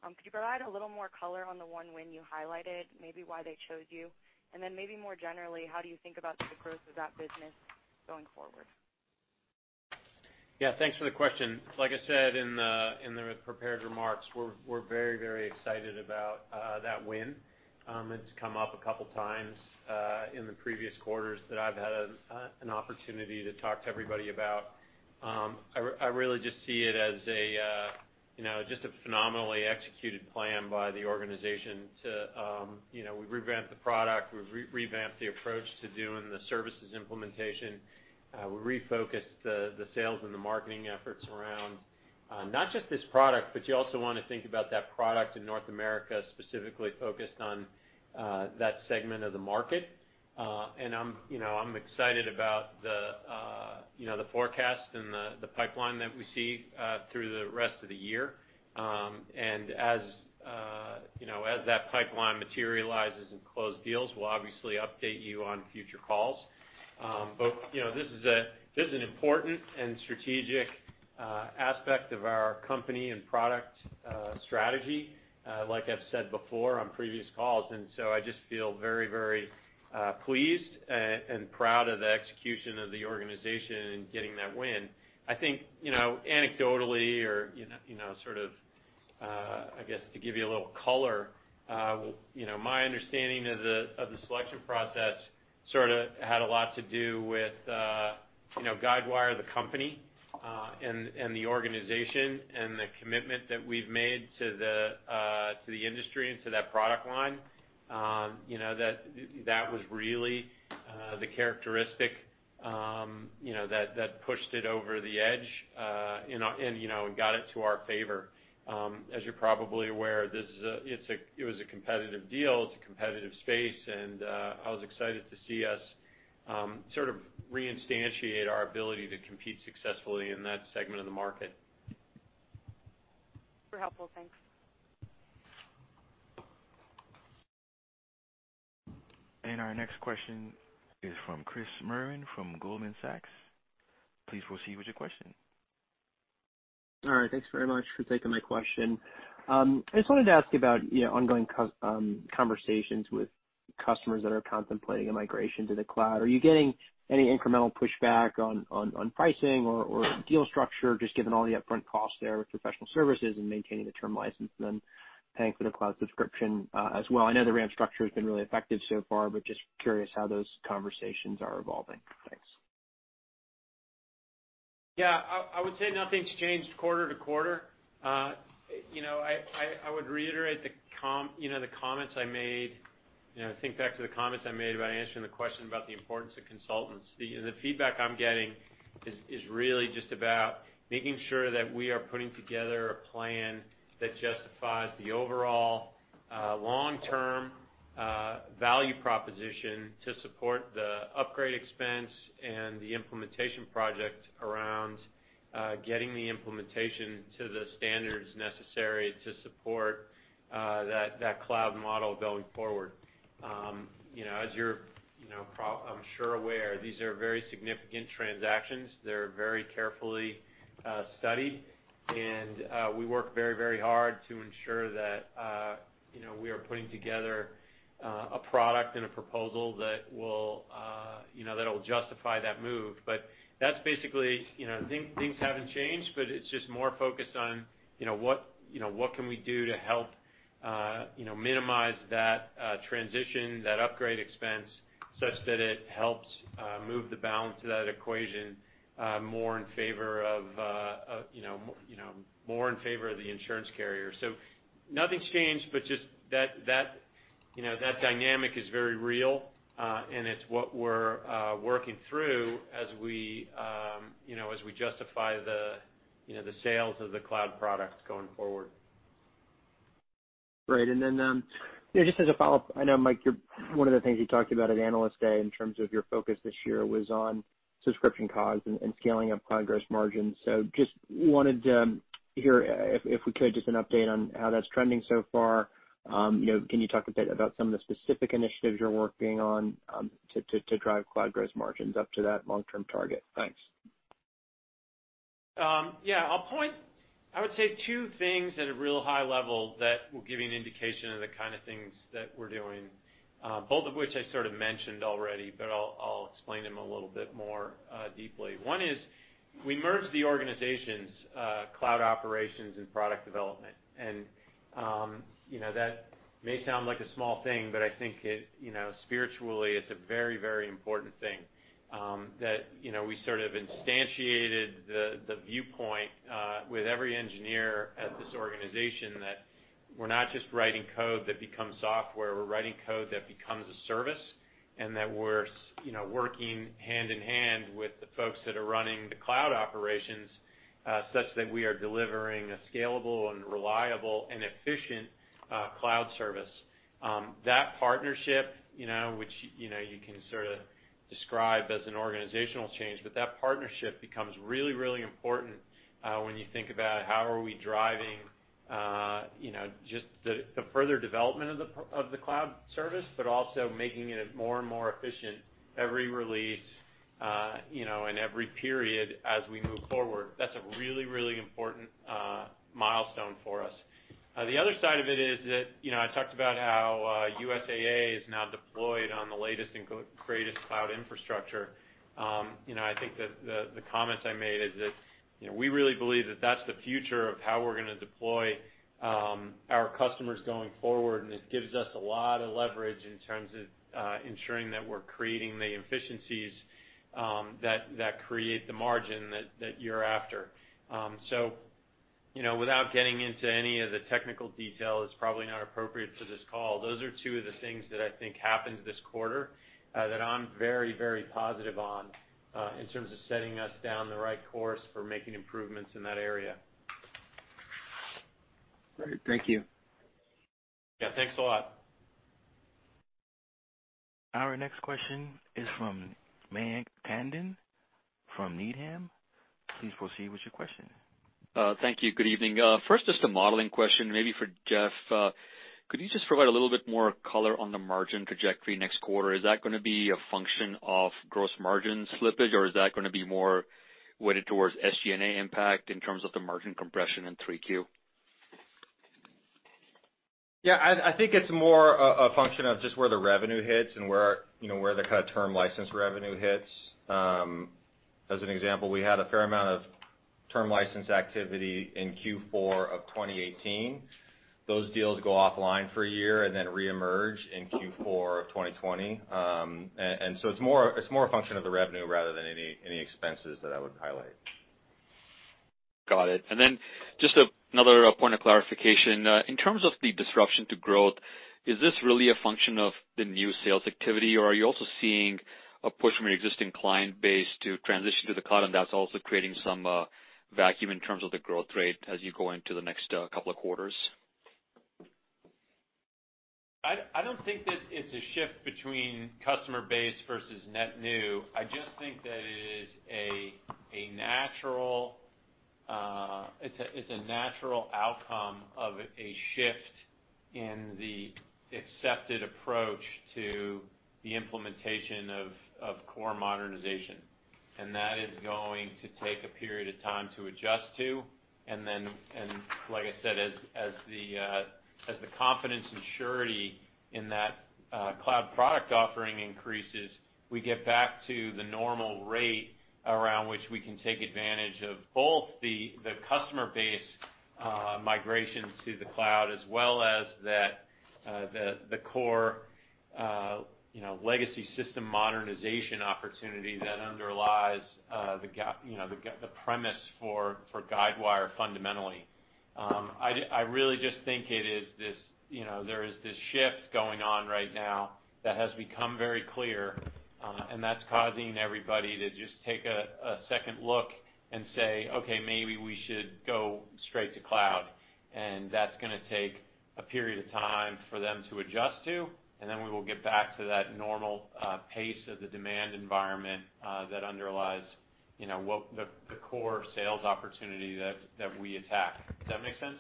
H: Could you provide a little more color on the one win you highlighted, maybe why they chose you? Maybe more generally, how do you think about the growth of that business going forward?
C: Yeah, thanks for the question. Like I said in the prepared remarks, we're very excited about that win. It's come up a couple times in the previous quarters that I've had an opportunity to talk to everybody about. I really just see it as just a phenomenally executed plan by the organization. We revamped the product, we've revamped the approach to doing the services implementation. We refocused the sales and the marketing efforts around not just this product, but you also want to think about that product in North America, specifically focused on that segment of the market. I'm excited about the forecast and the pipeline that we see through the rest of the year. As that pipeline materializes in closed deals, we'll obviously update you on future calls. This is an important and strategic aspect of our company and product strategy, like I've said before on previous calls. I just feel very pleased and proud of the execution of the organization in getting that win. I think anecdotally or sort of, I guess, to give you a little color, my understanding of the selection process sort of had a lot to do with Guidewire, the company, and the organization and the commitment that we've made to the industry and to that product line. That was really the characteristic that pushed it over the edge and got it to our favor. As you're probably aware, it was a competitive deal. It's a competitive space, and I was excited to see us sort of reinstantiate our ability to compete successfully in that segment of the market.
H: Super helpful. Thanks.
A: Our next question is from Chris Merwin from Goldman Sachs. Please proceed with your question.
I: All right. Thanks very much for taking my question. I just wanted to ask you about ongoing conversations with customers that are contemplating a migration to the cloud. Are you getting any incremental pushback on pricing or deal structure, just given all the upfront costs there with professional services and maintaining the term license and then paying for the cloud subscription as well? I know the ramp structure has been really effective so far, just curious how those conversations are evolving. Thanks.
C: Yeah. I would say nothing's changed quarter to quarter. I would reiterate the comments I made. Think back to the comments I made about answering the question about the importance of consultants. The feedback I'm getting is really just about making sure that we are putting together a plan that justifies the overall long-term value proposition to support the upgrade expense and the implementation project around getting the implementation to the standards necessary to support that cloud model going forward. As you're, I'm sure, aware, these are very significant transactions. They're very carefully studied, and we work very hard to ensure that we are putting together a product and a proposal that'll justify that move. Things haven't changed, but it's just more focused on what can we do to help minimize that transition, that upgrade expense, such that it helps move the balance of that equation more in favor of the insurance carrier. Nothing's changed, but just that dynamic is very real, and it's what we're working through as we justify the sales of the cloud products going forward.
I: Great. Then just as a follow-up, I know, Mike, one of the things you talked about at Analyst Day in terms of your focus this year was on subscription COGS and scaling up cloud gross margin. Just wanted to hear, if we could, just an update on how that's trending so far. Can you talk a bit about some of the specific initiatives you're working on to drive cloud gross margins up to that long-term target? Thanks.
C: Yeah. I would say two things at a real high level that will give you an indication of the kind of things that we're doing, both of which I sort of mentioned already, but I'll explain them a little bit more deeply. One is we merged the organizations, Cloud Operations and Product Development. That may sound like a small thing, but I think spiritually, it's a very important thing that we sort of instantiated the viewpoint with every engineer at this organization that we're not just writing code that becomes software, we're writing code that becomes a service, and that we're working hand-in-hand with the folks that are running the cloud operations such that we are delivering a scalable and reliable and efficient cloud service. That partnership which you can sort of describe as an organizational change, that partnership becomes really important when you think about how are we driving just the further development of the cloud service, also making it more and more efficient every release and every period as we move forward. That's a really important milestone for us. The other side of it is that I talked about how USAA is now deployed on the latest and greatest cloud infrastructure. I think that the comments I made is that we really believe that that's the future of how we're going to deploy our customers going forward, it gives us a lot of leverage in terms of ensuring that we're creating the efficiencies that create the margin that you're after. Without getting into any of the technical detail, it's probably not appropriate for this call. Those are two of the things that I think happened this quarter that I'm very positive on in terms of setting us down the right course for making improvements in that area.
I: Great. Thank you.
C: Yeah, thanks a lot.
A: Our next question is from Mayank Tandon from Needham. Please proceed with your question.
J: Thank you. Good evening. First, just a modeling question, maybe for Jeff. Could you just provide a little bit more color on the margin trajectory next quarter? Is that going to be a function of gross margin slippage, or is that going to be more weighted towards SG&A impact in terms of the margin compression in Q3?
D: Yeah, I think it's more a function of just where the revenue hits and where the term license revenue hits. As an example, we had a fair amount of term license activity in Q4 of 2018. Those deals go offline for a year and then reemerge in Q4 of 2020. It's more a function of the revenue rather than any expenses that I would highlight.
J: Got it. Just another point of clarification. In terms of the disruption to growth, is this really a function of the new sales activity, or are you also seeing a push from your existing client base to transition to the cloud, and that's also creating some vacuum in terms of the growth rate as you go into the next couple of quarters?
C: I don't think that it's a shift between customer base versus net new. I just think that it's a natural outcome of a shift in the accepted approach to the implementation of core modernization. That is going to take a period of time to adjust to. Like I said, as the confidence and surety in that cloud product offering increases, we get back to the normal rate around which we can take advantage of both the customer base migrations to the cloud as well as the core legacy system modernization opportunity that underlies the premise for Guidewire fundamentally. I really just think there is this shift going on right now that has become very clear and that's causing everybody to just take a second look and say, "Okay, maybe we should go straight to cloud." That's going to take a period of time for them to adjust to, and then we will get back to that normal pace of the demand environment that underlies the core sales opportunity that we attack. Does that make sense?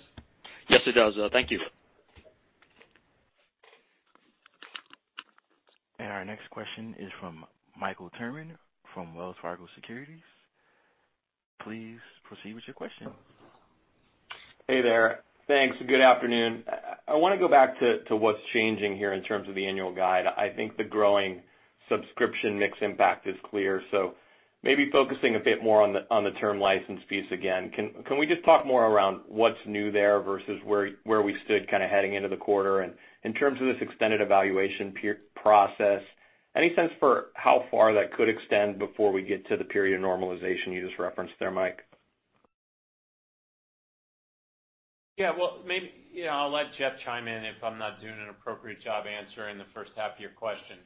J: Yes, it does. Thank you.
A: Our next question is from Michael Turrin from Wells Fargo Securities. Please proceed with your question.
K: Hey there. Thanks. Good afternoon. I want to go back to what's changing here in terms of the annual guide. I think the growing subscription mix impact is clear. Maybe focusing a bit more on the term license piece again, can we just talk more around what's new there versus where we stood kind of heading into the quarter? In terms of this extended evaluation process, any sense for how far that could extend before we get to the period normalization you just referenced there, Mike?
C: Yeah. Well, maybe I'll let Jeff chime in if I'm not doing an appropriate job answering the first half of your question.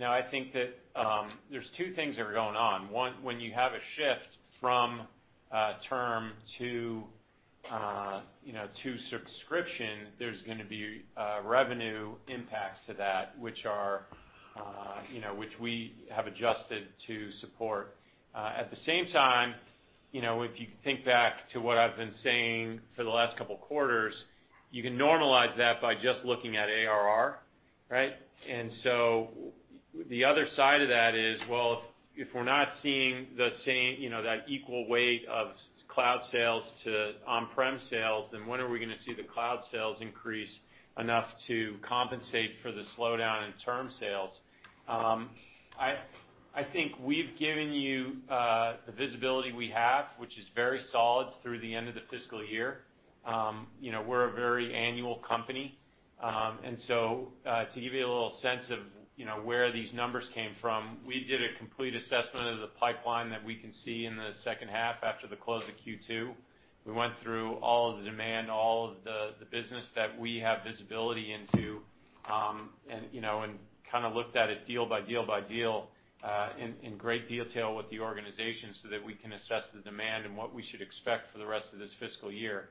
C: I think that there's two things that are going on. One, when you have a shift from term to subscription, there's going to be revenue impacts to that, which we have adjusted to support. At the same time, if you think back to what I've been saying for the last couple of quarters, you can normalize that by just looking at ARR. Right? The other side of that is, well, if we're not seeing that equal weight of cloud sales to on-prem sales, then when are we going to see the cloud sales increase enough to compensate for the slowdown in term sales? I think we've given you the visibility we have, which is very solid through the end of the fiscal year. We're a very annual company. To give you a little sense of where these numbers came from, we did a complete assessment of the pipeline that we can see in the second half after the close of Q2. We went through all of the demand, all of the business that we have visibility into, and looked at it deal by deal by deal in great detail with the organization so that we can assess the demand and what we should expect for the rest of this fiscal year.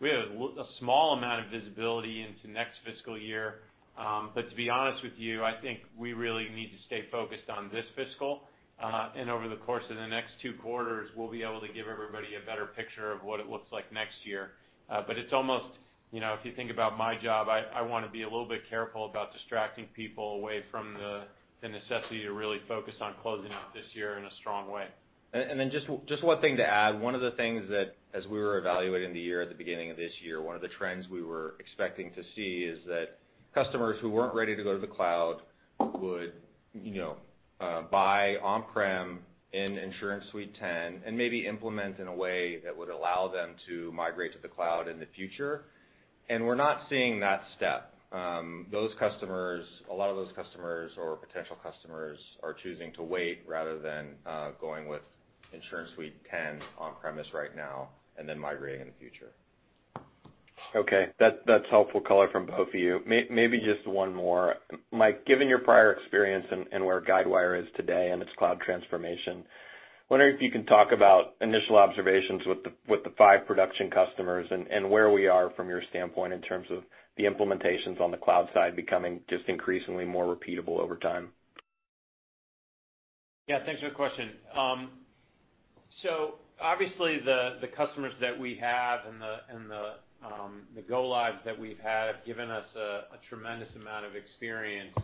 C: We have a small amount of visibility into next fiscal year. To be honest with you, I think we really need to stay focused on this fiscal. Over the course of the next two quarters, we'll be able to give everybody a better picture of what it looks like next year. If you think about my job, I want to be a little bit careful about distracting people away from the necessity to really focus on closing out this year in a strong way.
D: Just one thing to add. One of the things that as we were evaluating the year at the beginning of this year, one of the trends we were expecting to see is that customers who weren't ready to go to the cloud would buy on-prem in InsuranceSuite 10 and maybe implement in a way that would allow them to migrate to the cloud in the future. We're not seeing that step. A lot of those customers or potential customers are choosing to wait rather than going with InsuranceSuite 10 on-premise right now and then migrating in the future.
K: Okay. That's helpful color from both of you. Maybe just one more. Mike, given your prior experience and where Guidewire is today and its cloud transformation, wondering if you can talk about initial observations with the five production customers and where we are from your standpoint in terms of the implementations on the cloud side becoming just increasingly more repeatable over time?
C: Thanks for the question. Obviously the customers that we have and the go-lives that we've had have given us a tremendous amount of experience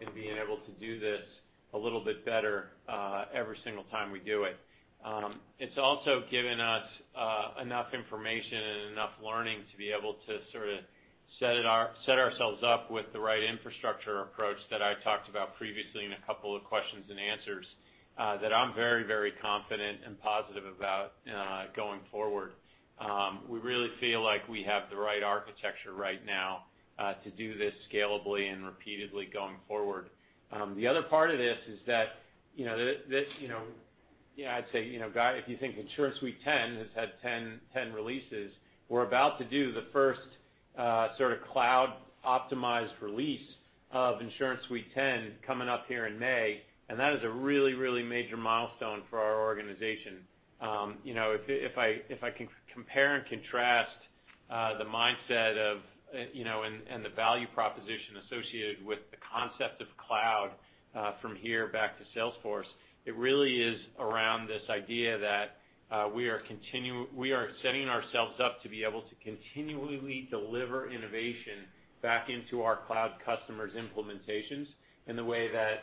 C: in being able to do this a little bit better every single time we do it. It's also given us enough information and enough learning to be able to set ourselves up with the right infrastructure approach that I talked about previously in a couple of Q&A that I'm very confident and positive about going forward. We really feel like we have the right architecture right now to do this scalably and repeatedly going forward. The other part of this is that, I'd say, if you think InsuranceSuite 10 has had 10 releases, we're about to do the first cloud-optimized release of InsuranceSuite 10 coming up here in May, that is a really major milestone for our organization. If I can compare and contrast the mindset and the value proposition associated with the concept of cloud from here back to Salesforce, it really is around this idea that we are setting ourselves up to be able to continually deliver innovation back into our cloud customers' implementations in the way that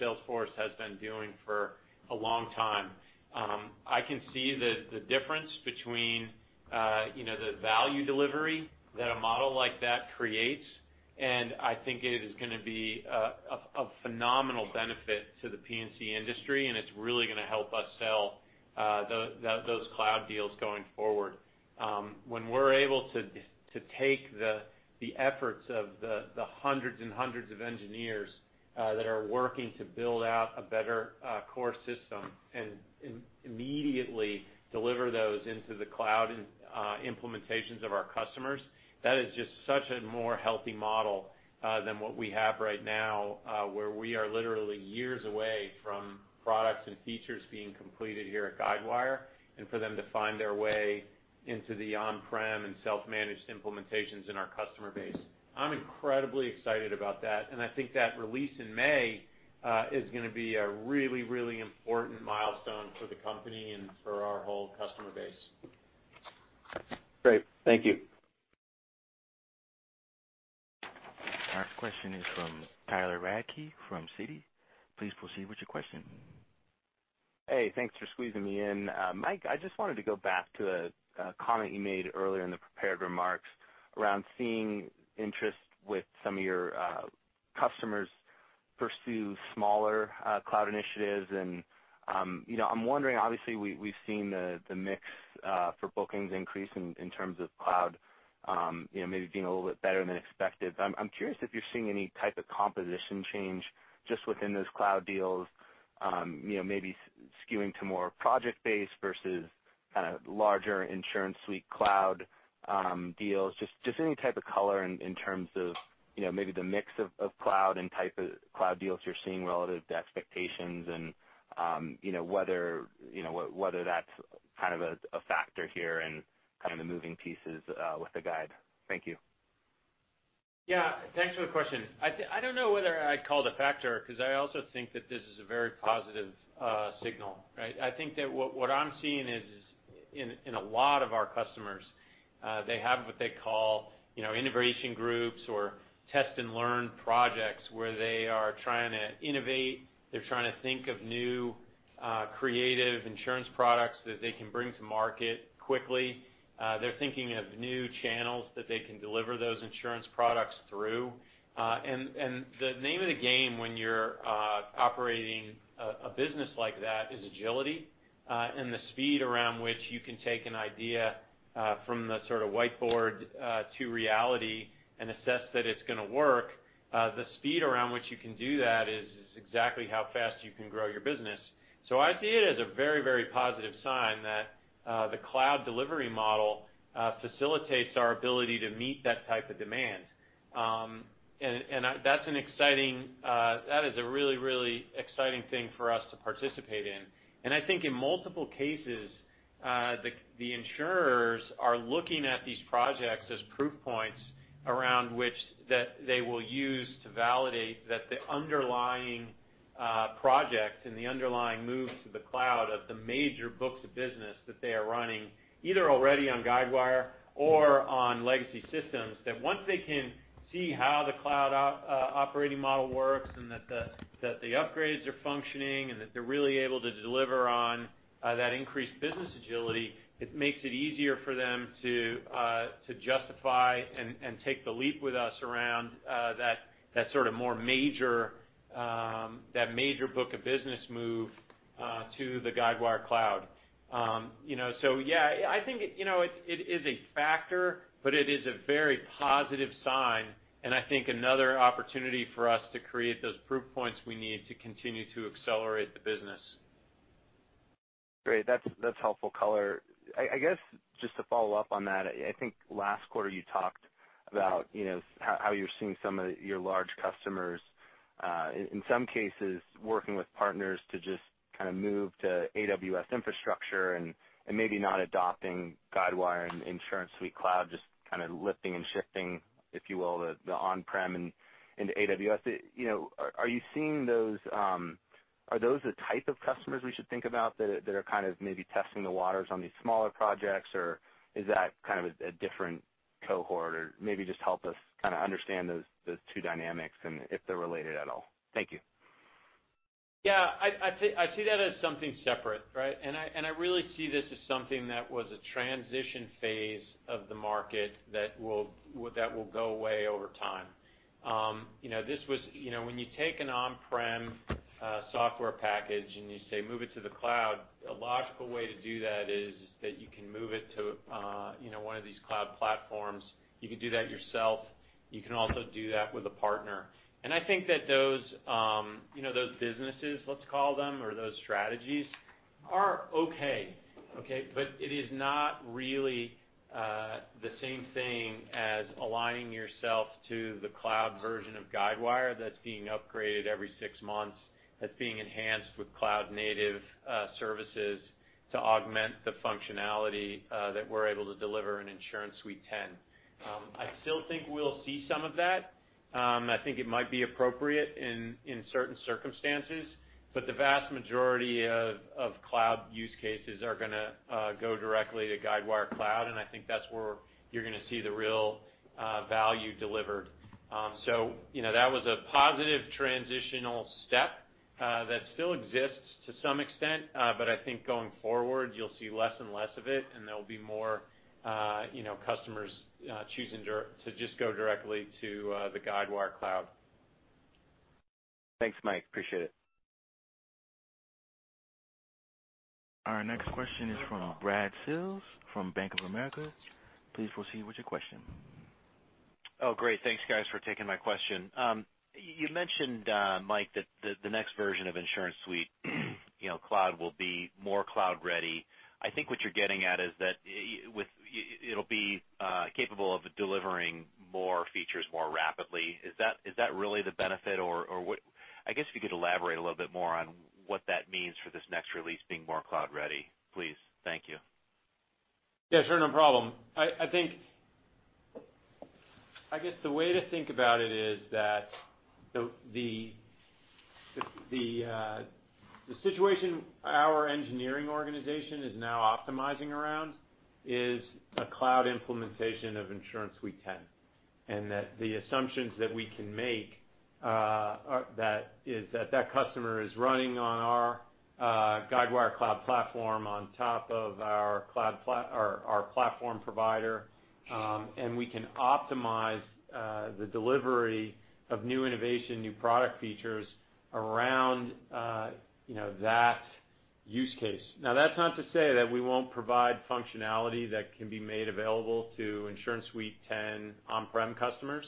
C: Salesforce has been doing for a long time. I can see the difference between the value delivery that a model like that creates, and I think it is going to be a phenomenal benefit to the P&C industry, and it's really going to help us sell those cloud deals going forward. When we're able to take the efforts of the hundreds and hundreds of engineers that are working to build out a better core system and immediately deliver those into the cloud implementations of our customers, that is just such a more healthy model than what we have right now where we are literally years away from products and features being completed here at Guidewire and for them to find their way into the on-prem and self-managed implementations in our customer base. I'm incredibly excited about that, and I think that release in May is going to be a really important milestone for the company and for our whole customer base.
K: Great. Thank you.
A: Our question is from Tyler Radke from Citi. Please proceed with your question.
L: Hey, thanks for squeezing me in. Mike, I just wanted to go back to a comment you made earlier in the prepared remarks around seeing interest with some of your customers pursue smaller cloud initiatives. I'm wondering, obviously, we've seen the mix for bookings increase in terms of cloud maybe being a little bit better than expected. I'm curious if you're seeing any type of composition change just within those cloud deals, maybe skewing to more project-based versus kind of larger InsuranceSuite Cloud deals. Just any type of color in terms of maybe the mix of cloud and type of cloud deals you're seeing relative to expectations and whether that's kind of a factor here and kind of the moving pieces with the guide. Thank you.
C: Yeah. Thanks for the question. I don't know whether I'd call it a factor, because I also think that this is a very positive signal, right? I think that what I'm seeing is in a lot of our customers, they have what they call innovation groups or test-and-learn projects where they are trying to innovate. They're trying to think of new creative insurance products that they can bring to market quickly. They're thinking of new channels that they can deliver those insurance products through. The name of the game when you're operating a business like that is agility, and the speed around which you can take an idea from the sort of whiteboard to reality and assess that it's going to work. The speed around which you can do that is exactly how fast you can grow your business. I see it as a very positive sign that the cloud delivery model facilitates our ability to meet that type of demand. That is a really exciting thing for us to participate in. I think in multiple cases, the insurers are looking at these projects as proof points around which that they will use to validate that the underlying project and the underlying move to the cloud of the major books of business that they are running, either already on Guidewire or on legacy systems, that once they can see how the cloud operating model works, and that the upgrades are functioning and that they're really able to deliver on that increased business agility, it makes it easier for them to justify and take the leap with us around that sort of more major book of business move to the Guidewire Cloud. Yeah, I think it is a factor, but it is a very positive sign, and I think another opportunity for us to create those proof points we need to continue to accelerate the business.
L: Great. That's helpful color. I guess, just to follow up on that, I think last quarter you talked about how you're seeing some of your large customers, in some cases, working with partners to just kind of move to AWS infrastructure and maybe not adopting Guidewire and InsuranceSuite cloud, just kind of lifting and shifting, if you will, the on-prem and into AWS. Are those the type of customers we should think about that are kind of maybe testing the waters on these smaller projects, or is that kind of a different cohort? Maybe just help us kind of understand those two dynamics and if they're related at all. Thank you.
C: Yeah. I see that as something separate, right? I really see this as something that was a transition phase of the market that will go away over time. When you take an on-prem software package and you say, "Move it to the cloud," a logical way to do that is that you can move it to one of these cloud platforms. You can do that yourself. You can also do that with a partner. I think that those businesses, let's call them, or those strategies are okay. It is not really the same thing as aligning yourself to the cloud version of Guidewire that's being upgraded every six months, that's being enhanced with cloud-native services to augment the functionality that we're able to deliver in InsuranceSuite 10. I still think we'll see some of that. I think it might be appropriate in certain circumstances, but the vast majority of cloud use cases are going to go directly to Guidewire Cloud, and I think that's where you're going to see the real value delivered. That was a positive transitional step that still exists to some extent, but I think going forward, you'll see less and less of it, and there'll be more customers choosing to just go directly to the Guidewire Cloud.
L: Thanks, Mike. Appreciate it.
A: Our next question is from Brad Sills from Bank of America. Please proceed with your question.
M: Great. Thanks guys for taking my question. You mentioned, Mike, that the next version of InsuranceSuite Cloud will be more cloud-ready. I think what you're getting at is that it'll be capable of delivering more features more rapidly. Is that really the benefit, or I guess, if you could elaborate a little bit more on what that means for this next release being more cloud-ready, please. Thank you.
C: Yeah, sure. No problem. I guess the way to think about it is that the situation our engineering organization is now optimizing around is a cloud implementation of InsuranceSuite 10, and that the assumptions that we can make is that that customer is running on our Guidewire Cloud platform on top of our platform provider, and we can optimize the delivery of new innovation, new product features around that use case. Now, that's not to say that we won't provide functionality that can be made available to InsuranceSuite 10 on-prem customers.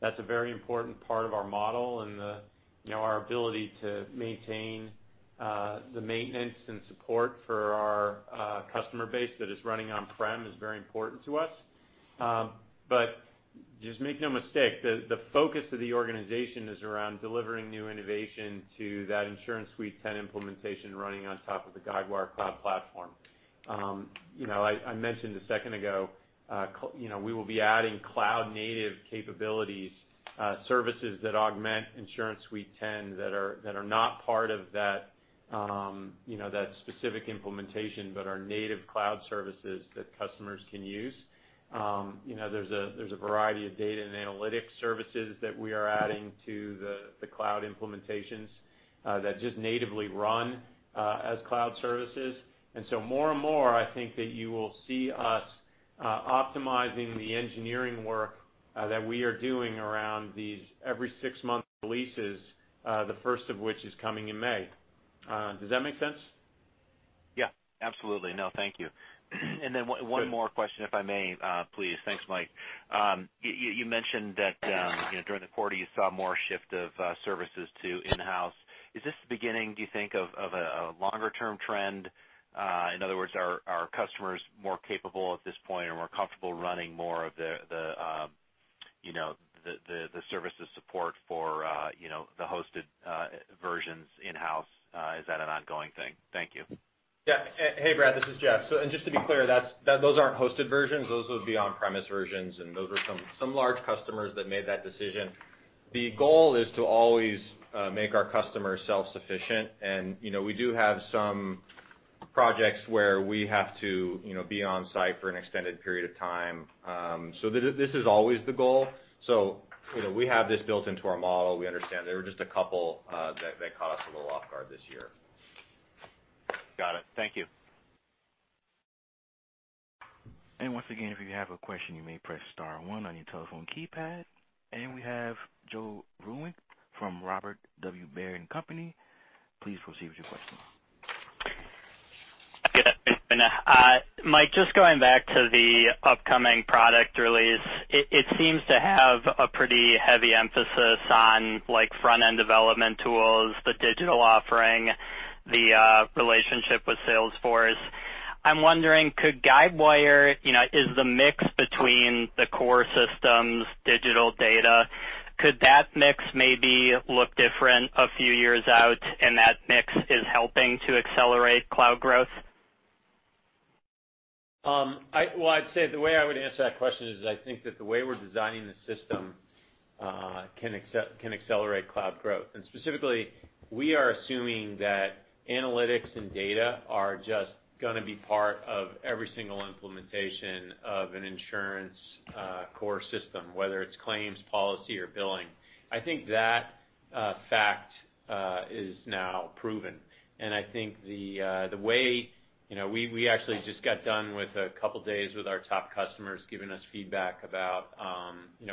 C: That's a very important part of our model, and our ability to maintain the maintenance and support for our customer base that is running on-prem is very important to us. Just make no mistake, the focus of the organization is around delivering new innovation to that InsuranceSuite 10 implementation running on top of the Guidewire Cloud platform. I mentioned a second ago, we will be adding cloud-native capabilities, services that augment InsuranceSuite 10 that are not part of that specific implementation, but are native cloud services that customers can use. There's a variety of data and analytics services that we are adding to the cloud implementations that just natively run as cloud services. More and more, I think that you will see us optimizing the engineering work that we are doing around these every six-month releases, the first of which is coming in May. Does that make sense?
M: Yeah, absolutely. No, thank you. Then one more question, if I may, please. Thanks, Mike. You mentioned that during the quarter you saw more shift of services to in-house. Is this the beginning, do you think, of a longer-term trend? In other words, are customers more capable at this point and more comfortable running more of the services support for the hosted versions in-house? Is that an ongoing thing? Thank you.
D: Yeah. Hey, Brad, this is Jeff. Just to be clear, those aren't hosted versions. Those would be on-premise versions, and those were some large customers that made that decision. The goal is to always make our customers self-sufficient, and we do have some projects where we have to be on-site for an extended period of time. This is always the goal. We have this built into our model. We understand. There were just a couple that caught us a little off guard this year.
M: Got it. Thank you.
A: Once again, if you have a question, you may press star one on your telephone keypad. We have Joe Vruwink from Robert W. Baird & Co. Please proceed with your question.
N: Good afternoon. Mike, just going back to the upcoming product release. It seems to have a pretty heavy emphasis on front-end development tools, the digital offering, the relationship with Salesforce. I'm wondering, is the mix between the core systems digital data, could that mix maybe look different a few years out, and that mix is helping to accelerate cloud growth?
C: Well, I'd say the way I would answer that question is, I think that the way we're designing the system can accelerate Cloud growth. Specifically, we are assuming that analytics and data are just going to be part of every single implementation of an insurance core system, whether it's claims, policy, or billing. I think that fact is now proven, and I think the way we actually just got done with a couple of days with our top customers giving us feedback about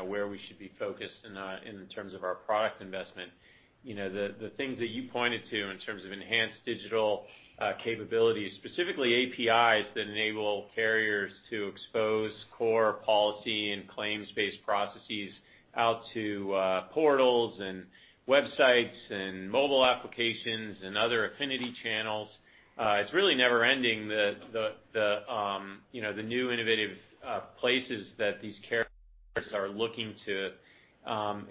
C: where we should be focused in terms of our product investment. The things that you pointed to in terms of enhanced digital capabilities, specifically APIs that enable carriers to expose core policy and claims-based processes out to portals and websites and mobile applications and other affinity channels. It's really never-ending, the new innovative places that these carriers are looking to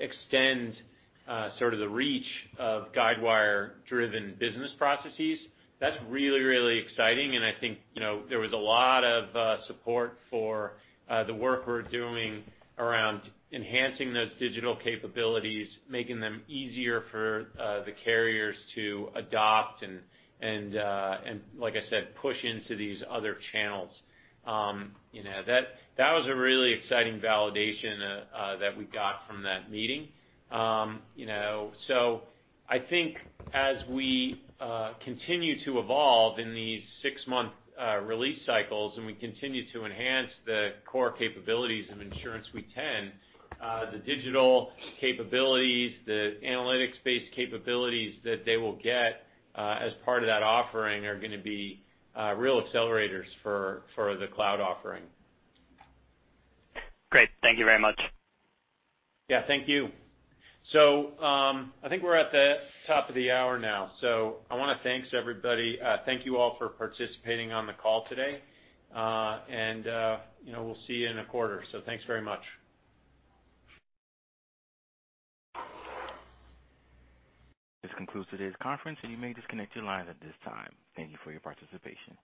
C: extend sort of the reach of Guidewire-driven business processes. That's really, really exciting, and I think there was a lot of support for the work we're doing around enhancing those digital capabilities, making them easier for the carriers to adopt and, like I said, push into these other channels. That was a really exciting validation that we got from that meeting. I think as we continue to evolve in these six-month release cycles, and we continue to enhance the core capabilities of InsuranceSuite 10, the digital capabilities, the analytics-based capabilities that they will get as part of that offering are going to be real accelerators for the cloud offering.
N: Great. Thank you very much.
C: Yeah. Thank you. I think we're at the top of the hour now. I want to thanks everybody. Thank you all for participating on the call today. We'll see you in a quarter. Thanks very much.
A: This concludes today's conference, and you may disconnect your lines at this time. Thank you for your participation.